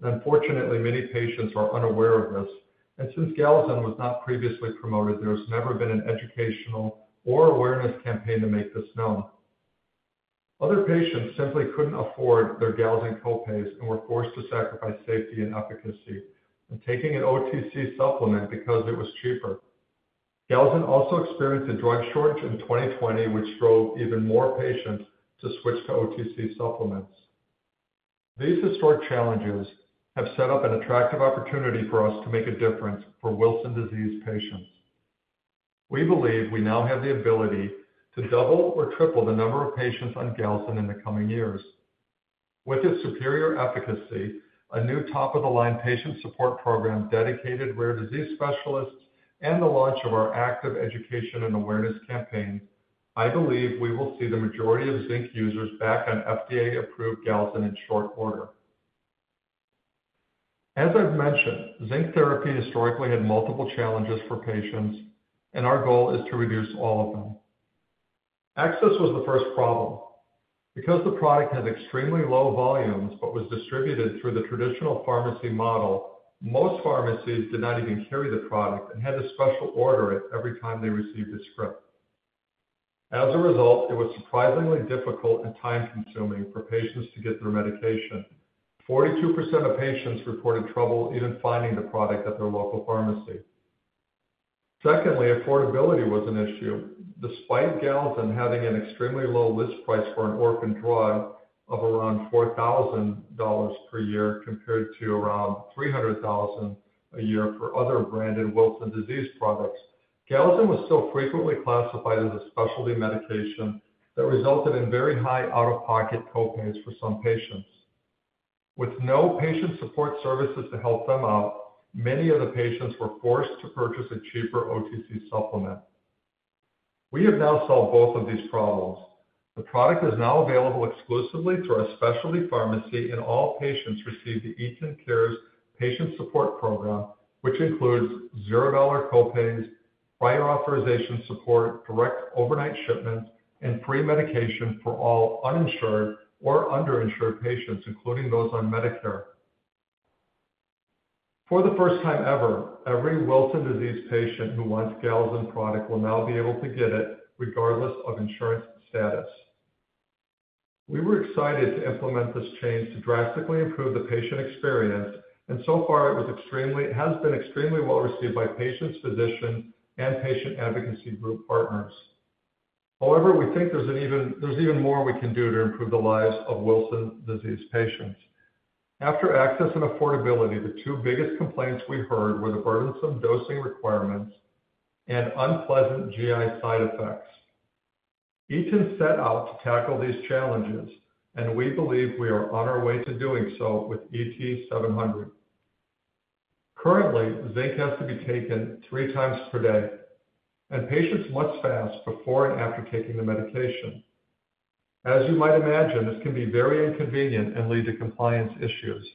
Unfortunately, many patients are unaware of this, and since Galzin was not previously promoted, there has never been an educational or awareness campaign to make this known. Other patients simply could not afford their Galzin copays and were forced to sacrifice safety and efficacy and taking an OTC supplement because it was cheaper. Galzin also experienced a drug shortage in 2020, which drove even more patients to switch to OTC supplements. These historic challenges have set up an attractive opportunity for us to make a difference for Wilson disease patients. We believe we now have the ability to double or triple the number of patients on Galzin in the coming years. With its superior efficacy, a new top-of-the-line patient support program dedicated to rare disease specialists, and the launch of our active education and awareness campaign, I believe we will see the majority of zinc users back on FDA approved Galzin in short order. As I've mentioned, zinc therapy historically had multiple challenges for patients, and our goal is to reduce all of them. Access was the first problem. Because the product had extremely low volumes but was distributed through the traditional pharmacy model, most pharmacies did not even carry the product and had to special order it every time they received a script. As a result, it was surprisingly difficult and time-consuming for patients to get their medication. 42% of patients reported trouble even finding the product at their local pharmacy. Secondly, affordability was an issue. Despite Galzin having an extremely low list price for an orphan drug of around $4,000 per year compared to around $300,000 a year for other branded Wilson disease products, Galzin was still frequently classified as a specialty medication that resulted in very high out-of-pocket copays for some patients. With no patient support services to help them out, many of the patients were forced to purchase a cheaper OTC supplement. We have now solved both of these problems. The product is now available exclusively through our specialty pharmacy, and all patients receive the Eton Cares patient support program, which includes $0 copays, prior authorization support, direct overnight shipments, and free medication for all uninsured or underinsured patients, including those on Medicare. For the first time ever, every Wilson disease patient who wants Galzin product will now be able to get it regardless of insurance status. We were excited to implement this change to drastically improve the patient experience, and so far it has been extremely well received by patients, physicians, and patient advocacy group partners. However, we think there is even more we can do to improve the lives of Wilson disease patients. After access and affordability, the two biggest complaints we heard were the burdensome dosing requirements and unpleasant GI side effects. Eton set out to tackle these challenges, and we believe we are on our way to doing so with ET700. Currently, zinc has to be taken three times per day, and patients must fast before and after taking the medication. As you might imagine, this can be very inconvenient and lead to compliance issues.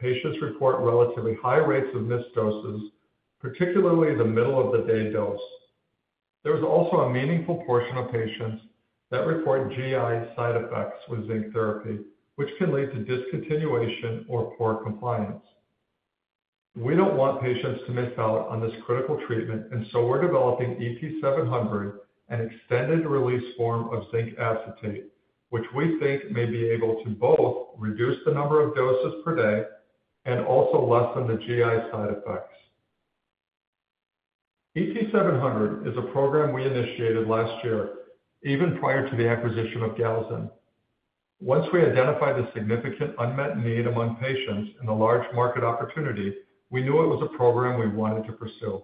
Patients report relatively high rates of missed doses, particularly the middle-of-the-day dose. There is also a meaningful portion of patients that report GI side effects with zinc therapy, which can lead to discontinuation or poor compliance. We do not want patients to miss out on this critical treatment, and so we are developing ET700, an extended-release form of zinc acetate, which we think may be able to both reduce the number of doses per day and also lessen the GI side effects. ET700 is a program we initiated last year, even prior to the acquisition of Galzin. Once we identified the significant unmet need among patients and the large market opportunity, we knew it was a program we wanted to pursue.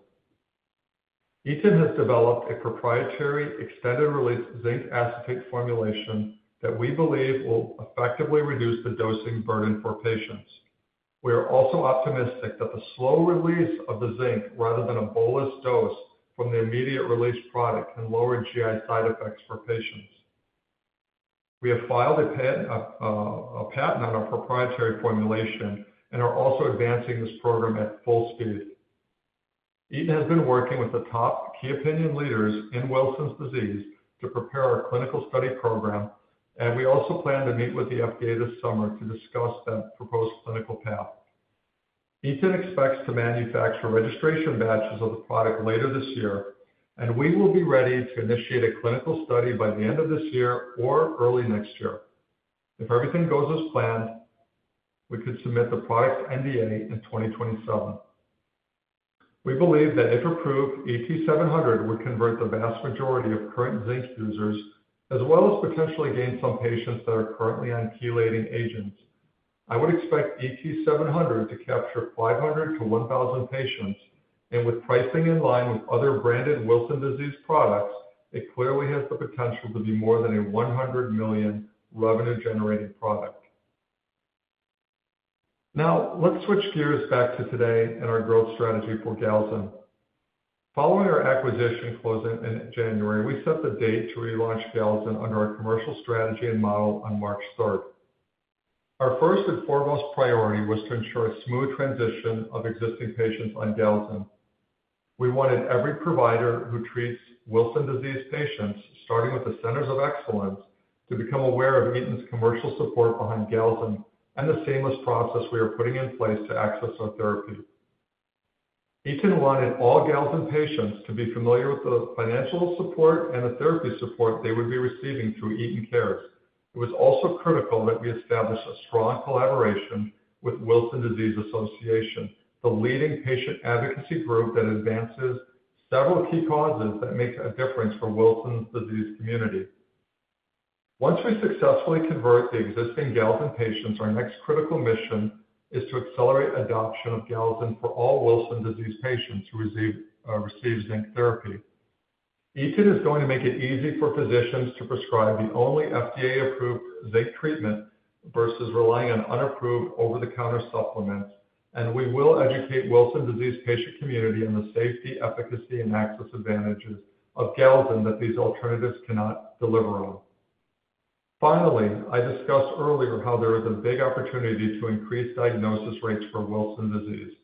Eton has developed a proprietary extended-release zinc acetate formulation that we believe will effectively reduce the dosing burden for patients. We are also optimistic that the slow release of the zinc, rather than a bolus dose from the immediate-release product, can lower GI side effects for patients. We have filed a patent on our proprietary formulation and are also advancing this program at full speed. Eton has been working with the top key opinion leaders in Wilson disease to prepare our clinical study program, and we also plan to meet with the FDA this summer to discuss that proposed clinical path. Eton expects to manufacture registration batches of the product later this year, and we will be ready to initiate a clinical study by the end of this year or early next year. If everything goes as planned, we could submit the product to NDA in 2027. We believe that if approved, ET700 would convert the vast majority of current zinc users, as well as potentially gain some patients that are currently on chelating agents. I would expect ET700 to capture 500-1,000 patients, and with pricing in line with other branded Wilson disease products, it clearly has the potential to be more than a $100 million revenue-generating product. Now, let's switch gears back to today and our growth strategy for Galzin. Following our acquisition closing in January, we set the date to relaunch Galzin under our commercial strategy and model on March 3. Our first and foremost priority was to ensure a smooth transition of existing patients on Galzin. We wanted every provider who treats Wilson disease patients, starting with the centers of excellence, to become aware of Eton's commercial support behind Galzin and the seamless process we are putting in place to access our therapy. Eton wanted all Galzin patients to be familiar with the financial support and the therapy support they would be receiving through Eton Cares. It was also critical that we establish a strong collaboration with Wilson Disease Association, the leading patient advocacy group that advances several key causes that make a difference for the Wilson disease community. Once we successfully convert the existing Galzin patients, our next critical mission is to accelerate adoption of Galzin for all Wilson disease patients who receive zinc therapy. Eton is going to make it easy for physicians to prescribe the only FDA-approved zinc treatment versus relying on unapproved over-the-counter supplements, and we will educate the Wilson disease patient community on the safety, efficacy, and access advantages of Galzin that these alternatives cannot deliver on. Finally, I discussed earlier how there is a big opportunity to increase diagnosis rates for Wilson disease.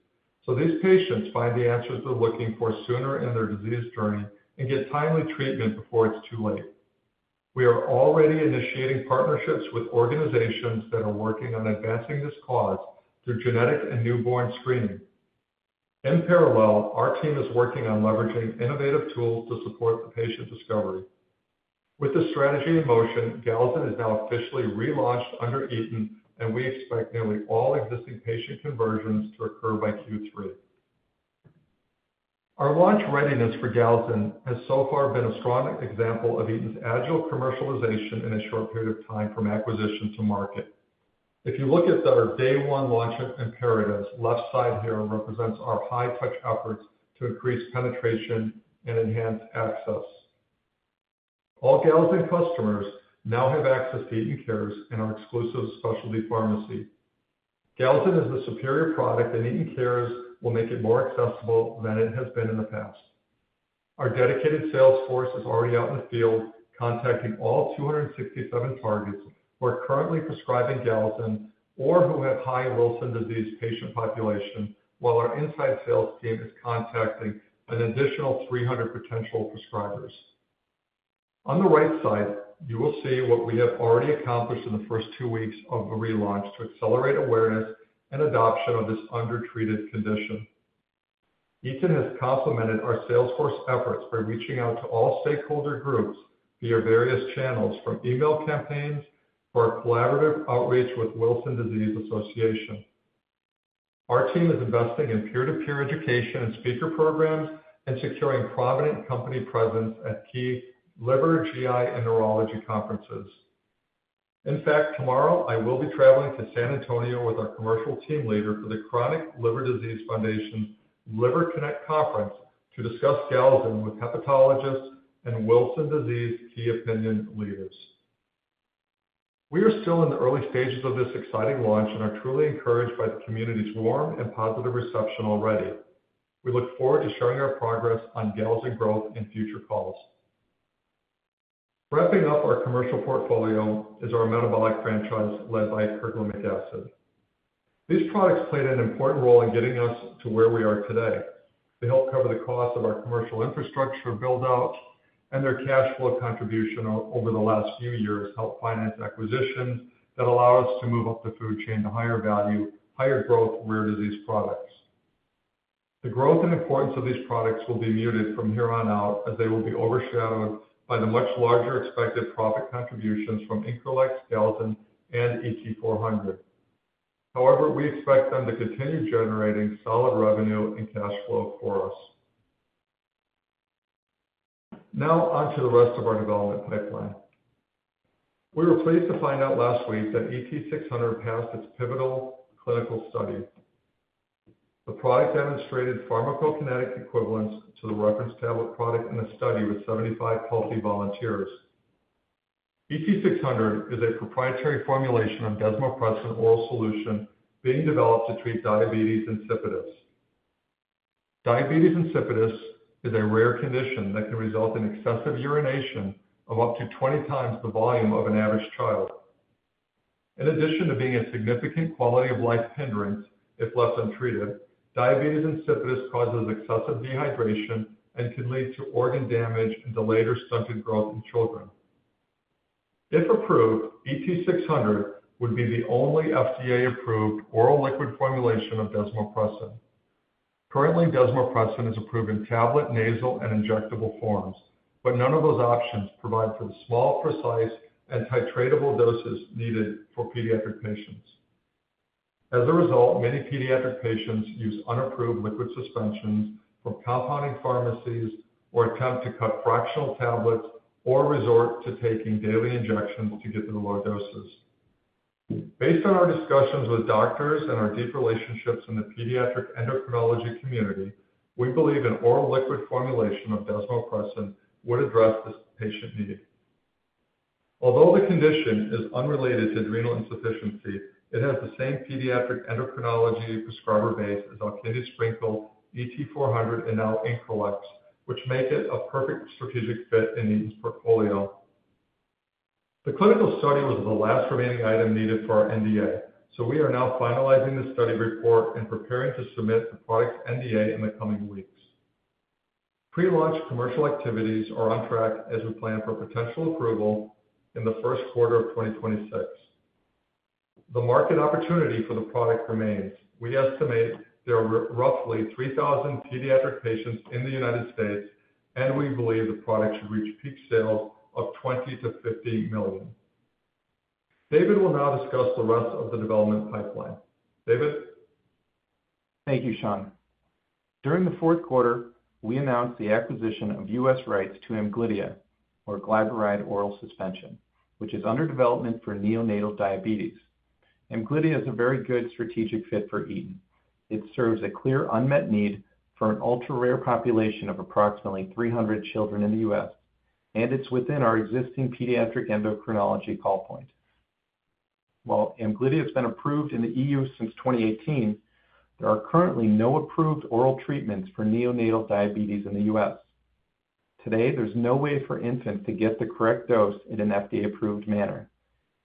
These patients find the answers they're looking for sooner in their disease journey and get timely treatment before it's too late. We are already initiating partnerships with organizations that are working on advancing this cause through genetic and newborn screening. In parallel, our team is working on leveraging innovative tools to support the patient discovery. With this strategy in motion, Galzin is now officially relaunched under Eton, and we expect nearly all existing patient conversions to occur by Q3. Our launch readiness for Galzin has so far been a strong example of Eton's agile commercialization in a short period of time from acquisition to market. If you look at our day-one launch imperatives, the left side here represents our high-touch efforts to increase penetration and enhance access. All Galzin customers now have access to Eton Cares and our exclusive specialty pharmacy. Galzin is the superior product, and Eton Cares will make it more accessible than it has been in the past. Our dedicated sales force is already out in the field contacting all 267 targets who are currently prescribing Galzin or who have high Wilson disease patient population, while our inside sales team is contacting an additional 300 potential prescribers. On the right side, you will see what we have already accomplished in the first two weeks of the relaunch to accelerate awareness and adoption of this undertreated condition. Eton has complemented our sales force efforts by reaching out to all stakeholder groups via various channels, from email campaigns to our collaborative outreach with Wilson Disease Association. Our team is investing in peer-to-peer education and speaker programs and securing prominent company presence at key liver GI and neurology conferences. In fact, tomorrow I will be traveling to San Antonio with our Commercial Team Leader for the Chronic Liver Disease Foundation's Liver Connect Conference to discuss Galzin with hepatologists and Wilson disease key opinion leaders. We are still in the early stages of this exciting launch and are truly encouraged by the community's warm and positive reception already. We look forward to sharing our progress on Galzin growth in future calls. Wrapping up our commercial portfolio is our metabolic franchise led by Carglumic Acid. These products played an important role in getting us to where we are today. They helped cover the cost of our commercial infrastructure build-out, and their cash flow contribution over the last few years helped finance acquisitions that allow us to move up the food chain to higher value, higher growth rare disease products. The growth and importance of these products will be muted from here on out as they will be overshadowed by the much larger expected profit contributions from Increlex, Galzin, and ET400. However, we expect them to continue generating solid revenue and cash flow for us. Now, on to the rest of our development pipeline. We were pleased to find out last week that ET600 passed its pivotal clinical study. The product demonstrated pharmacokinetic equivalence to the reference tablet product in a study with 75 healthy volunteers. ET600 is a proprietary formulation of desmopressin oral solution being developed to treat diabetes insipidus. Diabetes insipidus is a rare condition that can result in excessive urination of up to 20 times the volume of an average child. In addition to being a significant quality of life hindrance, if left untreated, diabetes insipidus causes excessive dehydration and can lead to organ damage and delayed or stunted growth in children. If approved, ET600 would be the only FDA-approved oral liquid formulation of desmopressin. Currently, desmopressin is approved in tablet, nasal, and injectable forms, but none of those options provide for the small, precise, and titratable doses needed for pediatric patients. As a result, many pediatric patients use unapproved liquid suspensions from compounding pharmacies or attempt to cut fractional tablets or resort to taking daily injections to get to the low doses. Based on our discussions with doctors and our deep relationships in the pediatric endocrinology community, we believe an oral liquid formulation of desmopressin would address this patient need. Although the condition is unrelated to adrenal insufficiency, it has the same pediatric endocrinology prescriber base as Alkindi Sprinkle, ET400, and now Increlex, which make it a perfect strategic fit in Eton's portfolio. The clinical study was the last remaining item needed for our NDA, so we are now finalizing the study report and preparing to submit the product's NDA in the coming weeks. Prelaunch commercial activities are on track as we plan for potential approval in the first quarter of 2026. The market opportunity for the product remains. We estimate there are roughly 3,000 pediatric patients in the United States, and we believe the product should reach peak sales of $20 million-$50 million. David will now discuss the rest of the development pipeline. David? Thank you, Sean. During the fourth quarter, we announced the acquisition of U.S. rights to Amglidia, or glyburide oral suspension, which is under development for neonatal diabetes. Amglidia is a very good strategic fit for Eton. It serves a clear unmet need for an ultra-rare population of approximately 300 children in the U.S., and it's within our existing pediatric endocrinology call point. While Amglidia has been approved in Europe since 2018, there are currently no approved oral treatments for neonatal diabetes in the U.S. Today, there's no way for infants to get the correct dose in an FDA-approved manner.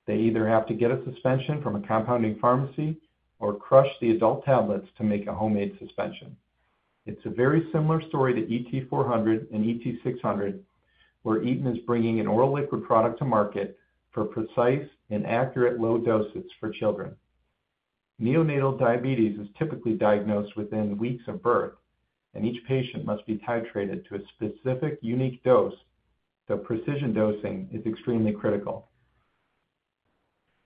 They either have to get a suspension from a compounding pharmacy or crush the adult tablets to make a homemade suspension. It's a very similar story to ET400 and ET600, where Eton is bringing an oral liquid product to market for precise and accurate low doses for children. Neonatal diabetes is typically diagnosed within weeks of birth, and each patient must be titrated to a specific unique dose. The precision dosing is extremely critical.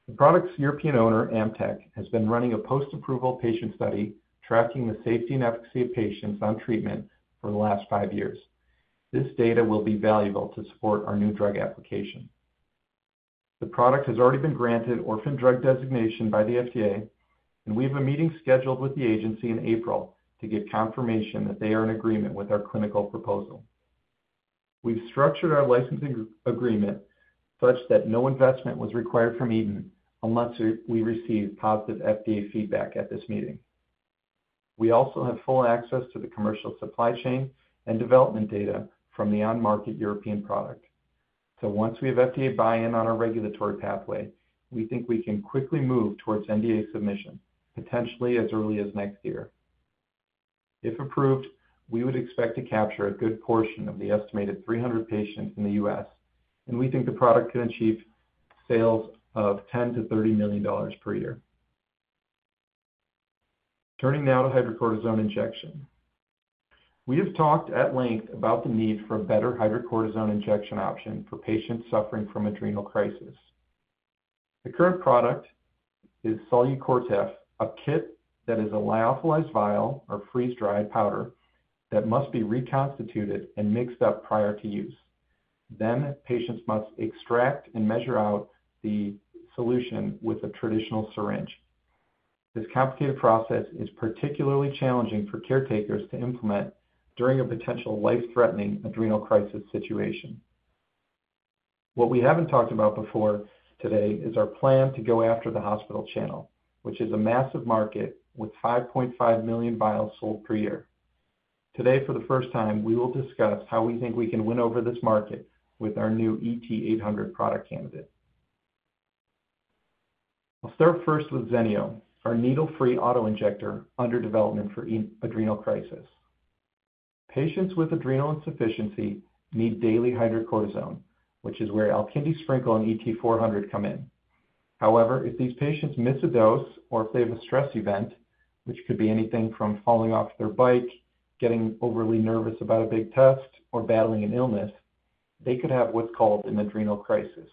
The product's European owner, Amtech, has been running a post-approval patient study tracking the safety and efficacy of patients on treatment for the last five years. This data will be valuable to support our new drug application. The product has already been granted orphan drug designation by the FDA, and we have a meeting scheduled with the agency in April to get confirmation that they are in agreement with our clinical proposal. We've structured our licensing agreement such that no investment was required from Eton unless we receive positive FDA feedback at this meeting. We also have full access to the commercial supply chain and development data from the on-market European product. Once we have FDA buy-in on our regulatory pathway, we think we can quickly move towards NDA submission, potentially as early as next year. If approved, we would expect to capture a good portion of the estimated 300 patients in the U.S., and we think the product can achieve sales of $10 million-$30 million per year. Turning now to hydrocortisone injection. We have talked at length about the need for a better hydrocortisone injection option for patients suffering from adrenal crisis. The current product is SoluCortef, a kit that is a lyophilized vial or freeze-dried powder that must be reconstituted and mixed up prior to use. Patients must extract and measure out the solution with a traditional syringe. This complicated process is particularly challenging for caretakers to implement during a potential life-threatening adrenal crisis situation. What we haven't talked about before today is our plan to go after the hospital channel, which is a massive market with 5.5 million vials sold per year. Today, for the first time, we will discuss how we think we can win over this market with our new ET800 product candidate. I'll start first with Zenio, our needle-free auto-injector under development for adrenal crisis. Patients with adrenal insufficiency need daily hydrocortisone, which is where Alkindi Sprinkle and ET400 come in. However, if these patients miss a dose or if they have a stress event, which could be anything from falling off their bike, getting overly nervous about a big test, or battling an illness, they could have what's called an adrenal crisis.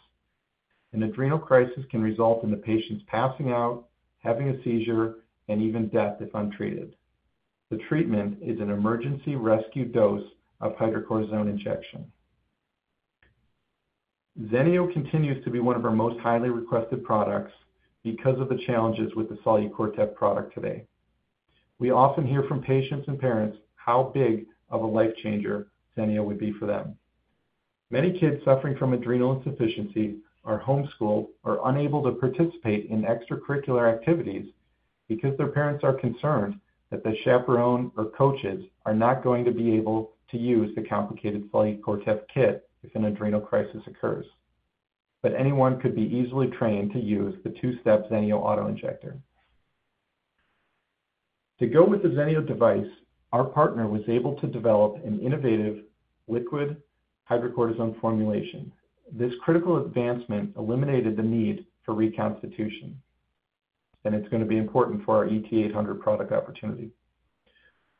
An adrenal crisis can result in the patient's passing out, having a seizure, and even death if untreated. The treatment is an emergency rescue dose of hydrocortisone injection. Zenio continues to be one of our most highly requested products because of the challenges with the SoluCortef product today. We often hear from patients and parents how big of a life changer Zenio would be for them. Many kids suffering from adrenal insufficiency are homeschooled or unable to participate in extracurricular activities because their parents are concerned that the chaperone or coaches are not going to be able to use the complicated SoluCortef kit if an adrenal crisis occurs. Anyone could be easily trained to use the two-step Zenio auto injector. To go with the Zenio device, our partner was able to develop an innovative liquid hydrocortisone formulation. This critical advancement eliminated the need for reconstitution, and it's going to be important for our ET800 product opportunity.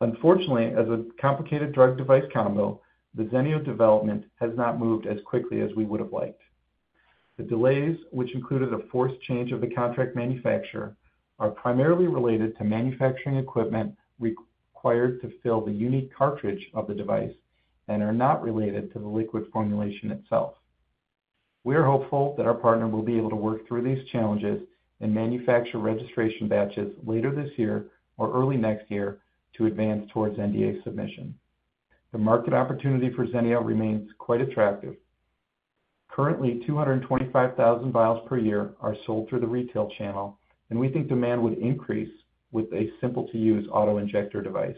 Unfortunately, as a complicated drug device combo, the Zenio development has not moved as quickly as we would have liked. The delays, which included a forced change of the contract manufacturer, are primarily related to manufacturing equipment required to fill the unique cartridge of the device and are not related to the liquid formulation itself. We are hopeful that our partner will be able to work through these challenges and manufacture registration batches later this year or early next year to advance towards NDA submission. The market opportunity for Zenio remains quite attractive. Currently, 225,000 vials per year are sold through the retail channel, and we think demand would increase with a simple-to-use auto injector device.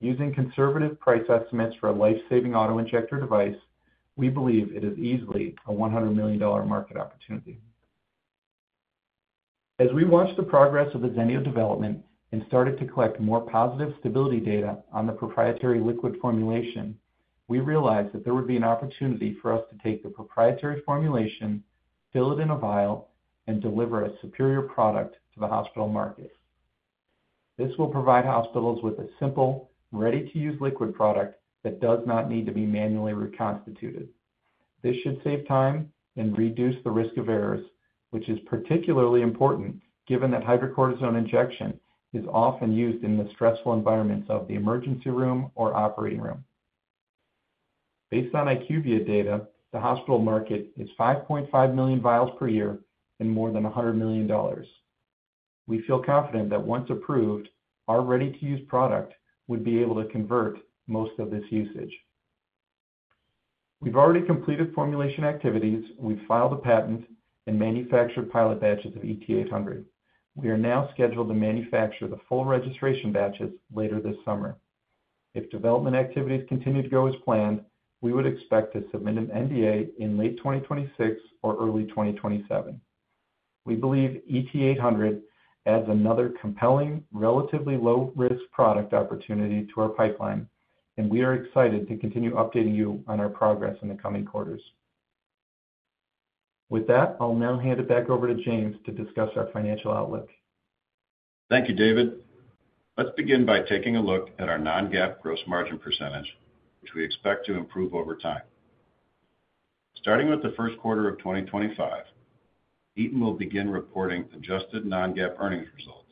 Using conservative price estimates for a life-saving auto injector device, we believe it is easily a $100 million market opportunity. As we watched the progress of the Zenio development and started to collect more positive stability data on the proprietary liquid formulation, we realized that there would be an opportunity for us to take the proprietary formulation, fill it in a vial, and deliver a superior product to the hospital market. This will provide hospitals with a simple, ready-to-use liquid product that does not need to be manually reconstituted. This should save time and reduce the risk of errors, which is particularly important given that hydrocortisone injection is often used in the stressful environments of the emergency room or operating room. Based on IQVIA data, the hospital market is 5.5 million vials per year and more than $100 million. We feel confident that once approved, our ready-to-use product would be able to convert most of this usage. We've already completed formulation activities. We've filed a patent and manufactured pilot batches of ET800. We are now scheduled to manufacture the full registration batches later this summer. If development activities continue to go as planned, we would expect to submit an NDA in late 2026 or early 2027. We believe ET800 adds another compelling, relatively low-risk product opportunity to our pipeline, and we are excited to continue updating you on our progress in the coming quarters. With that, I'll now hand it back over to James to discuss our financial outlook. Thank you, David. Let's begin by taking a look at our non-GAAP gross margin %, which we expect to improve over time. Starting with the first quarter of 2025, Eton will begin reporting adjusted non-GAAP earnings results.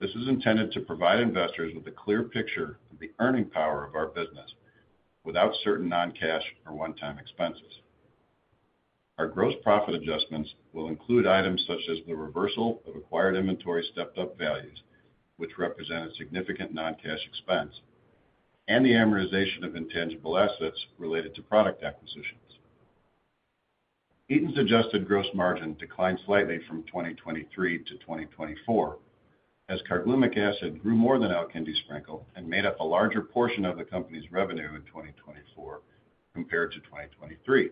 This is intended to provide investors with a clear picture of the earning power of our business without certain non-cash or one-time expenses. Our gross profit adjustments will include items such as the reversal of acquired inventory stepped-up values, which represent a significant non-cash expense, and the amortization of intangible assets related to product acquisitions. Eton's adjusted gross margin declined slightly from 2023 to 2024 as Carglumic Acid grew more than Alkindi Sprinkle and made up a larger portion of the company's revenue in 2024 compared to 2023.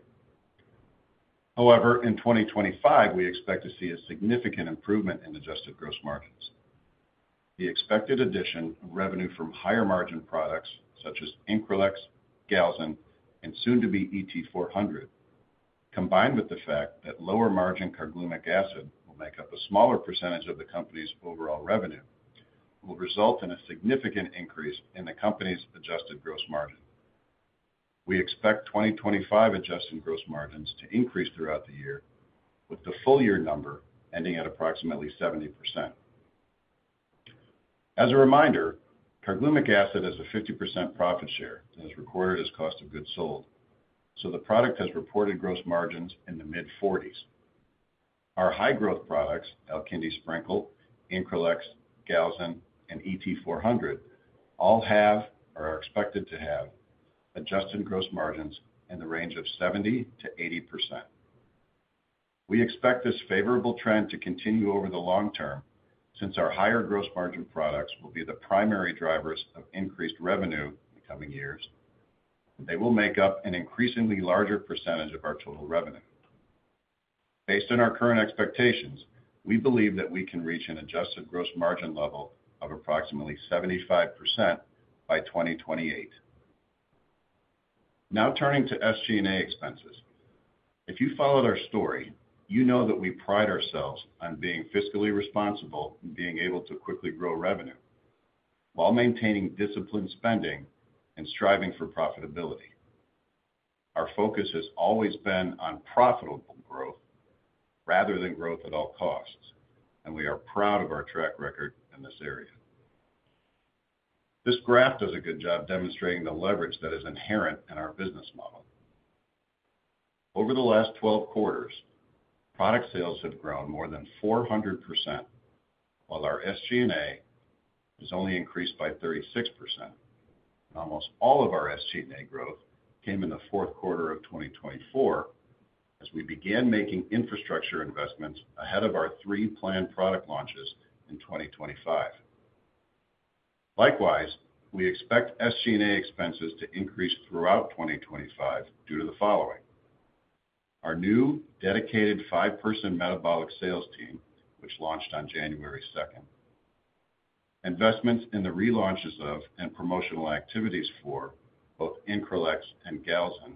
However, in 2025, we expect to see a significant improvement in adjusted gross margins. The expected addition of revenue from higher margin products such as Increlex, Galzin, and soon-to-be ET400, combined with the fact that lower margin Carglumic Acid will make up a smaller percentage of the company's overall revenue, will result in a significant increase in the company's adjusted gross margin. We expect 2025 adjusted gross margins to increase throughout the year, with the full year number ending at approximately 70%. As a reminder, Carglumic Acid has a 50% profit share and is recorded as cost of goods sold, so the product has reported gross margins in the mid-40s. Our high-growth products, Alkindi Sprinkle, Increlex, Galzin, and ET400, all have or are expected to have adjusted gross margins in the range of 70-80%. We expect this favorable trend to continue over the long term since our higher gross margin products will be the primary drivers of increased revenue in the coming years, and they will make up an increasingly larger percentage of our total revenue. Based on our current expectations, we believe that we can reach an adjusted gross margin level of approximately 75% by 2028. Now turning to SG&A expenses. If you followed our story, you know that we pride ourselves on being fiscally responsible and being able to quickly grow revenue while maintaining disciplined spending and striving for profitability. Our focus has always been on profitable growth rather than growth at all costs, and we are proud of our track record in this area. This graph does a good job demonstrating the leverage that is inherent in our business model. Over the last 12 quarters, product sales have grown more than 400%, while our SG&A has only increased by 36%. Almost all of our SG&A growth came in the fourth quarter of 2024 as we began making infrastructure investments ahead of our three planned product launches in 2025. Likewise, we expect SG&A expenses to increase throughout 2025 due to the following: our new dedicated five-person metabolic sales team, which launched on January 2, investments in the relaunches of and promotional activities for both Increlex and Galzin,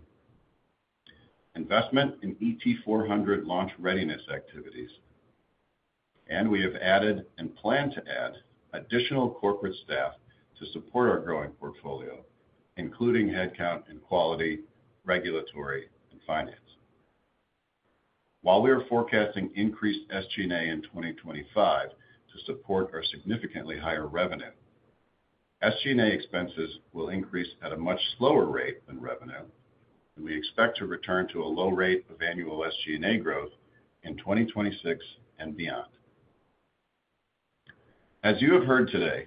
investment in ET400 launch readiness activities, and we have added and plan to add additional corporate staff to support our growing portfolio, including headcount in quality, regulatory, and finance. While we are forecasting increased SG&A in 2025 to support our significantly higher revenue, SG&A expenses will increase at a much slower rate than revenue, and we expect to return to a low rate of annual SG&A growth in 2026 and beyond. As you have heard today,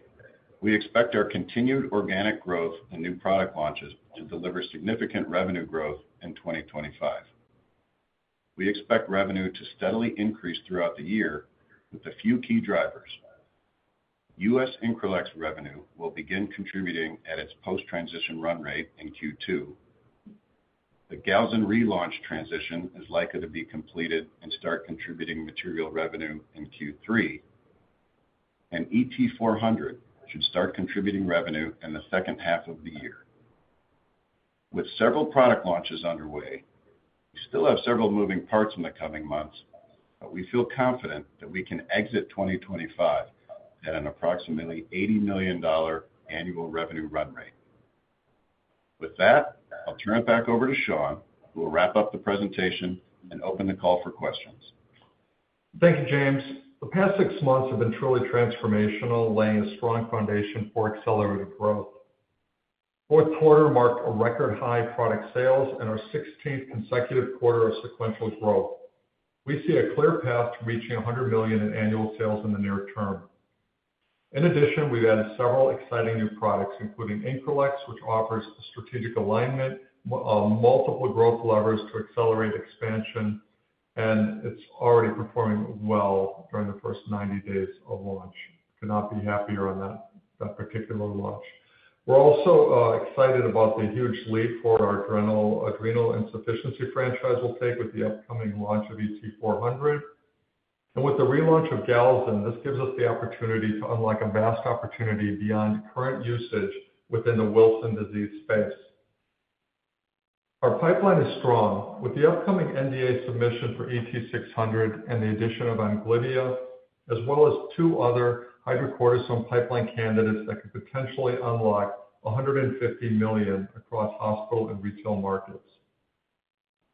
we expect our continued organic growth and new product launches to deliver significant revenue growth in 2025. We expect revenue to steadily increase throughout the year with a few key drivers. U.S. Increlex revenue will begin contributing at its post-transition run rate in Q2. The Galzin relaunch transition is likely to be completed and start contributing material revenue in Q3, and ET400 should start contributing revenue in the second half of the year. With several product launches underway, we still have several moving parts in the coming months, but we feel confident that we can exit 2025 at an approximately $80 million annual revenue run rate. With that, I'll turn it back over to Sean, who will wrap up the presentation and open the call for questions. Thank you, James. The past six months have been truly transformational, laying a strong foundation for accelerated growth. Fourth quarter marked a record high product sales and our 16th consecutive quarter of sequential growth. We see a clear path to reaching $100 million in annual sales in the near term. In addition, we've added several exciting new products, including Increlex, which offers a strategic alignment of multiple growth levers to accelerate expansion, and it's already performing well during the first 90 days of launch. Could not be happier on that particular launch. We're also excited about the huge leap for our adrenal insufficiency franchise we will take with the upcoming launch of ET400. With the relaunch of Galzin, this gives us the opportunity to unlock a vast opportunity beyond current usage within the Wilson disease space. Our pipeline is strong with the upcoming NDA submission for ET600 and the addition of Amglidia, as well as two other hydrocortisone pipeline candidates that could potentially unlock $150 million across hospital and retail markets.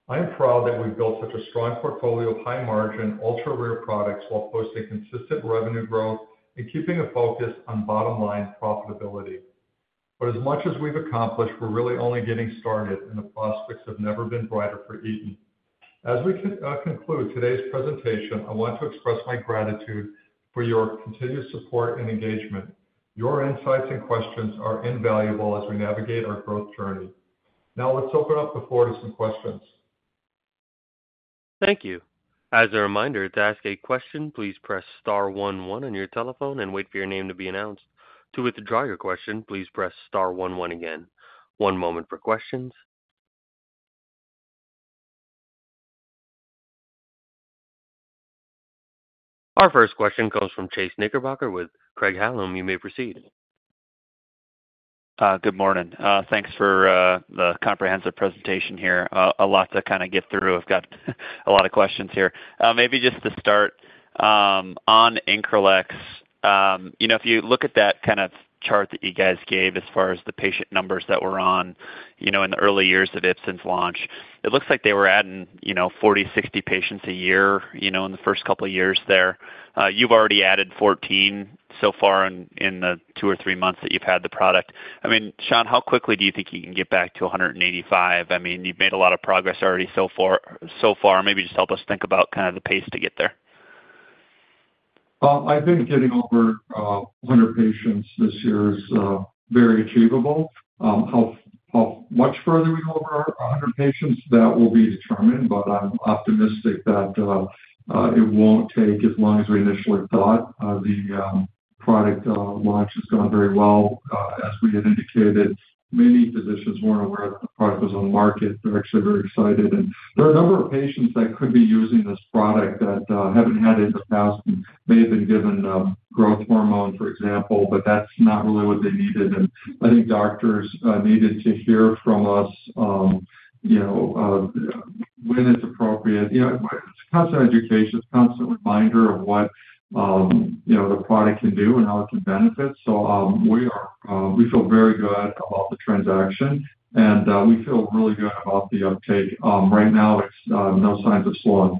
I am proud that we've built such a strong portfolio of high-margin, ultra-rare products while posting consistent revenue growth and keeping a focus on bottom-line profitability. As much as we've accomplished, we're really only getting started, and the prospects have never been brighter for Eton. As we conclude today's presentation, I want to express my gratitude for your continued support and engagement. Your insights and questions are invaluable as we navigate our growth journey. Now, let's open up the floor to some questions. Thank you. As a reminder, to ask a question, please press star 11 on your telephone and wait for your name to be announced. To withdraw your question, please press star 11 again. One moment for questions. Our first question comes from Chase Knickerbocker with Craig-Hallum. You may proceed. Good morning. Thanks for the comprehensive presentation here. A lot to kind of get through. I've got a lot of questions here. Maybe just to start, on Increlex, if you look at that kind of chart that you guys gave as far as the patient numbers that were on in the early years of it since launch, it looks like they were adding 40-60 patients a year in the first couple of years there. You've already added 14 so far in the two or three months that you've had the product. I mean, Sean, how quickly do you think you can get back to 185? I mean, you've made a lot of progress already so far. Maybe just help us think about kind of the pace to get there. I think getting over 100 patients this year is very achievable. How much further we go over 100 patients, that will be determined, but I'm optimistic that it won't take as long as we initially thought. The product launch has gone very well. As we had indicated, many physicians were not aware that the product was on the market. They are actually very excited. There are a number of patients that could be using this product that have not had it in the past and may have been given growth hormone, for example, but that is not really what they needed. I think doctors needed to hear from us when it is appropriate. It is a constant education. It is a constant reminder of what the product can do and how it can benefit. We feel very good about the transaction, and we feel really good about the uptake. Right now, it is no signs of slowing.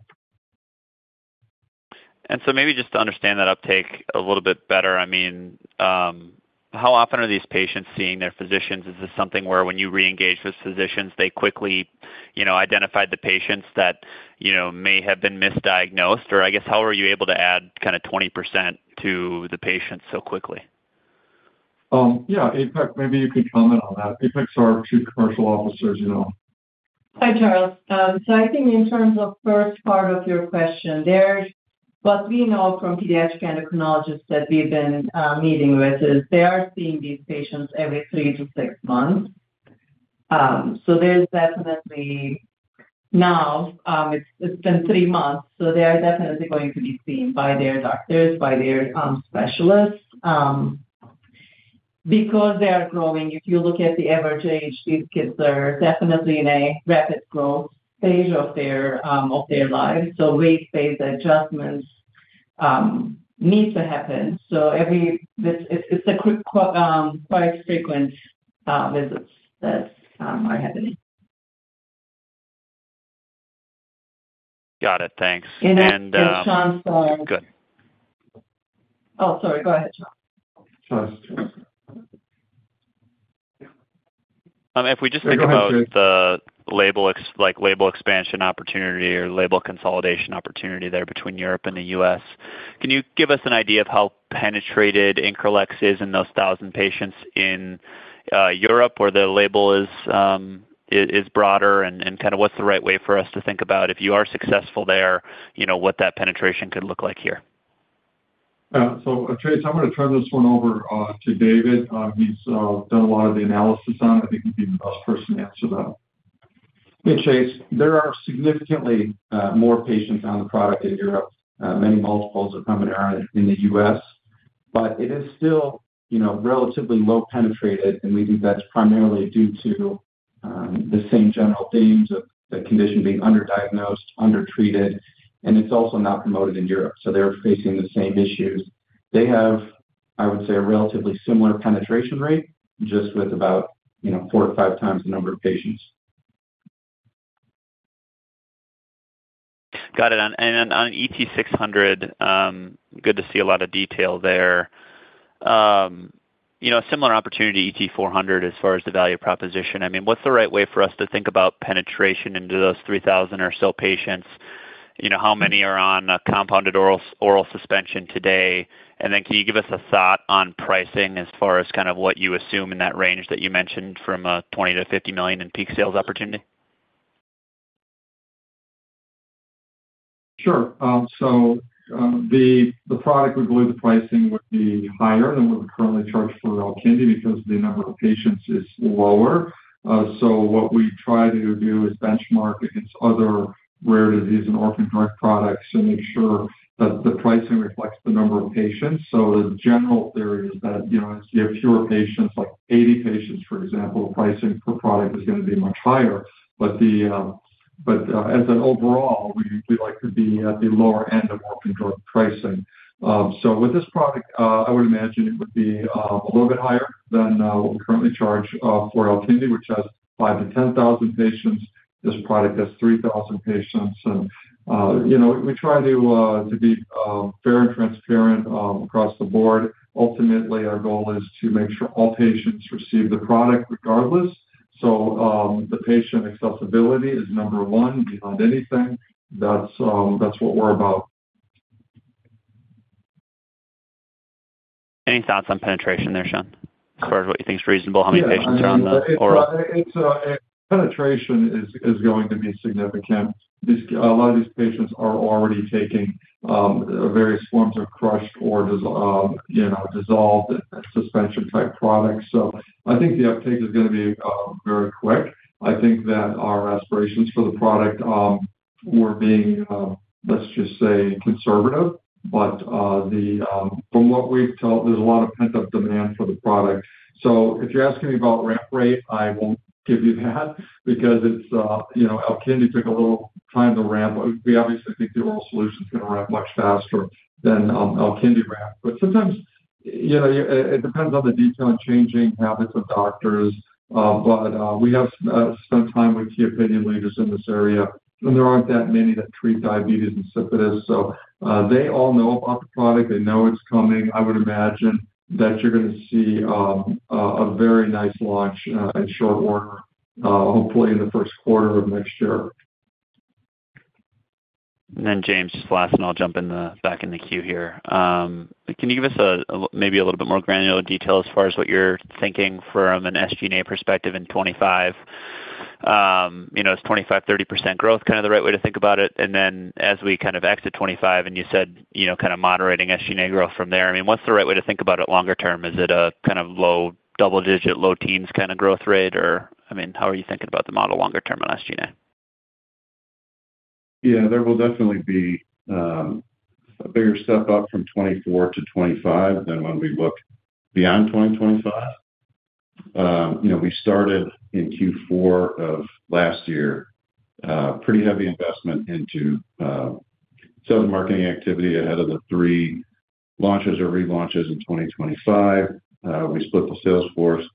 Maybe just to understand that uptake a little bit better, I mean, how often are these patients seeing their physicians? Is this something where when you re-engage with physicians, they quickly identify the patients that may have been misdiagnosed? Or I guess, how are you able to add kind of 20% to the patients so quickly? Yeah, Ipek, maybe you could comment on that. Ipek, our Chief Commercial Officer. Hi, Charles. I think in terms of the first part of your question, what we know from pediatric endocrinologists that we've been meeting with is they are seeing these patients every three to six months. There is definitely now, it's been three months, so they are definitely going to be seen by their doctors, by their specialists. Because they are growing, if you look at the average age, these kids are definitely in a rapid growth stage of their lives. Weight-based adjustments need to happen. It is quite frequent visits that are happening. Got it. Thanks. And. *crosstalk* Thank you, Sean. Sorry. Good. Oh, sorry. Go ahead, Sean. If we just think about the label expansion opportunity or label consolidation opportunity there between Europe and the U.S., can you give us an idea of how penetrated Increlex is in those 1,000 patients in Europe where the label is broader? And kind of what's the right way for us to think about, if you are successful there, what that penetration could look like here? Chase, I'm going to turn this one over to David. He's done a lot of the analysis on it. I think he'd be the best person to answer that. Hey, Chase. There are significantly more patients on the product in Europe, many multiples of Promineron in the U.S., but it is still relatively low-penetrated, and we think that's primarily due to the same general themes of the condition being underdiagnosed, undertreated, and it's also not promoted in Europe. They are facing the same issues. They have, I would say, a relatively similar penetration rate, just with about four or five times the number of patients. Got it. On ET600, good to see a lot of detail there. A similar opportunity to ET400 as far as the value proposition. I mean, what's the right way for us to think about penetration into those 3,000 or so patients? How many are on a compounded oral suspension today? Can you give us a thought on pricing as far as kind of what you assume in that range that you mentioned from $20 million-$50 million in peak sales opportunity? Sure. The product, we believe the pricing would be higher than what we're currently charged for Alkindi because the number of patients is lower. What we try to do is benchmark against other rare disease and orphan drug products and make sure that the pricing reflects the number of patients. The general theory is that if you have fewer patients, like 80 patients, for example, the pricing per product is going to be much higher. As an overall, we like to be at the lower end of orphan drug pricing. With this product, I would imagine it would be a little bit higher than what we currently charge for Alkindi, which has 5,000-10,000 patients. This product has 3,000 patients. We try to be fair and transparent across the board. Ultimately, our goal is to make sure all patients receive the product regardless. The patient accessibility is number one beyond anything. That is what we are about. Any thoughts on penetration there, Sean, as far as what you think is reasonable? How many patients are on the oral? Penetration is going to be significant. A lot of these patients are already taking various forms of crushed or dissolved suspension-type products. I think the uptake is going to be very quick. I think that our aspirations for the product were being, let's just say, conservative. From what we've told, there's a lot of pent-up demand for the product. If you're asking me about ramp rate, I won't give you that because Alkindi took a little time to ramp. We obviously think the oral solution is going to ramp much faster than Alkindi ramp. Sometimes it depends on the detail and changing habits of doctors. We have spent time with key opinion leaders in this area, and there aren't that many that treat diabetes insipidus. They all know about the product. They know it's coming. I would imagine that you're going to see a very nice launch in short order, hopefully in the first quarter of next year. James, just last, and I'll jump back in the queue here. Can you give us maybe a little bit more granular detail as far as what you're thinking from an SG&A perspective in 2025? Is 25%-30% growth kind of the right way to think about it? As we kind of exit 2025, and you said kind of moderating SG&A growth from there, I mean, what's the right way to think about it longer term? Is it a kind of low double-digit, low teens kind of growth rate? I mean, how are you thinking about the model longer term on SG&A? Yeah, there will definitely be a bigger step up from 2024 to 2025 than when we look beyond 2025. We started in Q4 of last year, pretty heavy investment into sales and marketing activity ahead of the three launches or relaunches in 2025. We split the sales force.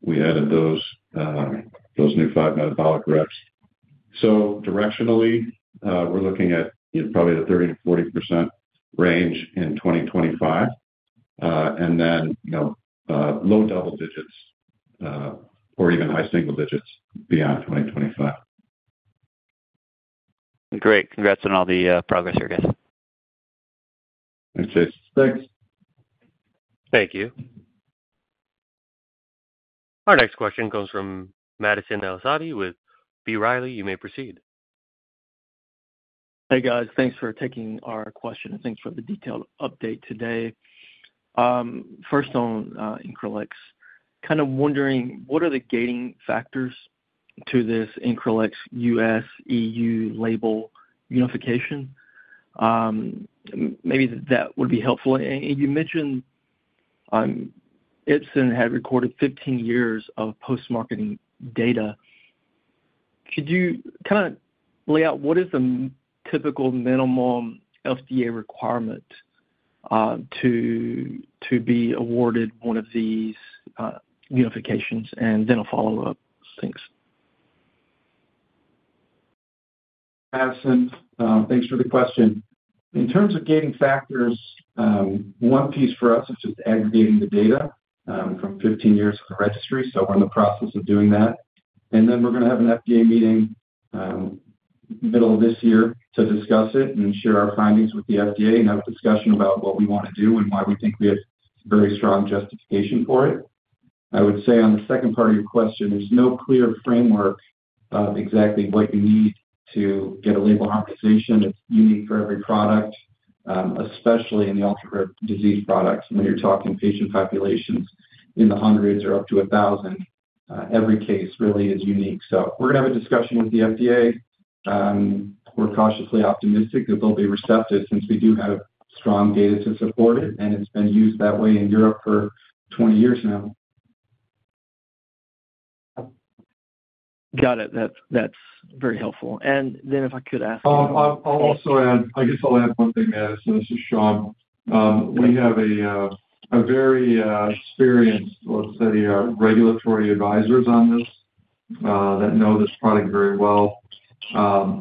We added those new five metabolic reps. Directionally, we're looking at probably a 30%-40% range in 2025. And then low double digits or even high single digits beyond 2025. Great. Congrats on all the progress here, guys. Thanks, Chase. Thanks. Thank you. Our next question comes from Madison Elsaadi with B. Riley. You may proceed. Hey, guys. Thanks for taking our question and thanks for the detailed update today. First on Increlex, kind of wondering what are the gating factors to this Increlex US EU label unification? Maybe that would be helpful. You mentioned Ipsen had recorded 15 years of post-marketing data. Could you kind of lay out what is the typical minimum FDA requirement to be awarded one of these unifications and then a follow-up? Thanks. Madison, thanks for the question. In terms of gating factors, one piece for us is just aggregating the data from 15 years of the registry. We're in the process of doing that. Then we're going to have an FDA meeting middle of this year to discuss it and share our findings with the FDA and have a discussion about what we want to do and why we think we have very strong justification for it. I would say on the second part of your question, there's no clear framework of exactly what you need to get a label harmonization. That's unique for every product, especially in the ultra-rare disease products. When you're talking patient populations in the hundreds or up to 1,000, every case really is unique. We're going to have a discussion with the FDA. We're cautiously optimistic that they'll be receptive since we do have strong data to support it, and it's been used that way in Europe for 20 years now. Got it. That's very helpful. If I could ask. I'll also add, I guess I'll add one thing, Madison, this is Sean. We have very experienced, let's say, regulatory advisors on this that know this product very well.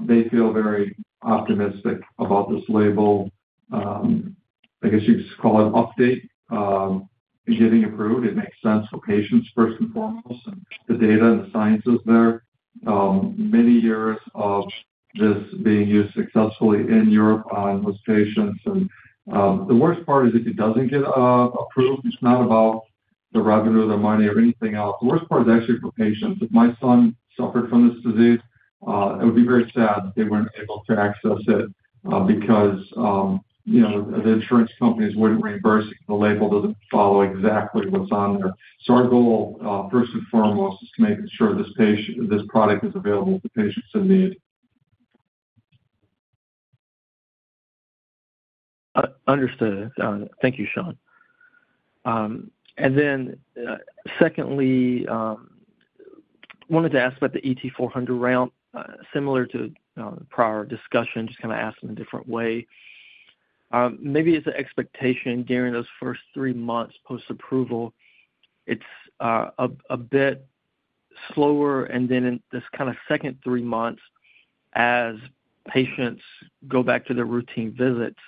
They feel very optimistic about this label. I guess you'd just call it update and getting approved. It makes sense for patients, first and foremost, and the data and the science is there. Many years of this being used successfully in Europe on those patients. The worst part is if it doesn't get approved, it's not about the revenue, the money, or anything else. The worst part is actually for patients. If my son suffered from this disease, it would be very sad that they weren't able to access it because the insurance companies wouldn't reimburse if the label doesn't follow exactly what's on there. Our goal, first and foremost, is to make sure this product is available to patients in need. Understood. Thank you, Sean. Secondly, I wanted to ask about the ET400 ramp, similar to prior discussion, just kind of asked in a different way. Maybe it is an expectation during those first three months post-approval. It is a bit slower. In this kind of second three months, as patients go back to their routine visits,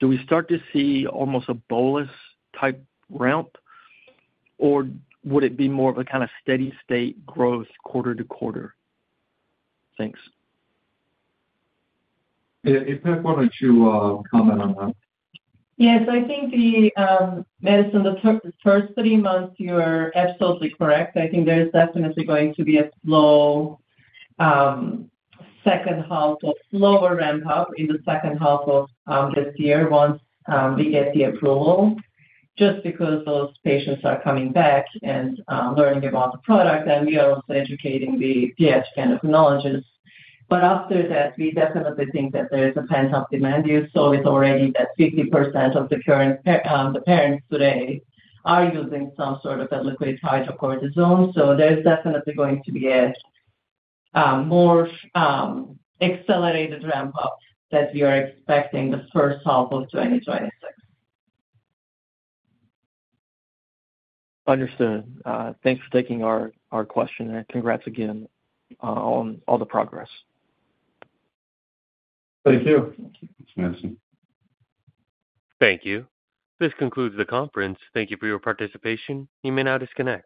do we start to see almost a bolus-type ramp? Or would it be more of a kind of steady-state growth quarter to quarter? Thanks. Ipek, why do not you comment on that? Yeah. I think, Madison, the first three months, you are absolutely correct. I think there's definitely going to be a slow second half or slower ramp-up in the second half of this year once we get the approval, just because those patients are coming back and learning about the product, and we are also educating the pediatric endocrinologists. After that, we definitely think that there is a pent-up demand use. It's already that 50% of the parents today are using some sort of a liquid hydrocortisone. There's definitely going to be a more accelerated ramp-up that we are expecting the first h alf of 2026. Understood. Thanks for taking our question. Congrats again on all the progress. Thank you. Thank you, Madison. Thank you. This concludes the conference. Thank you for your participation. You may now disconnect.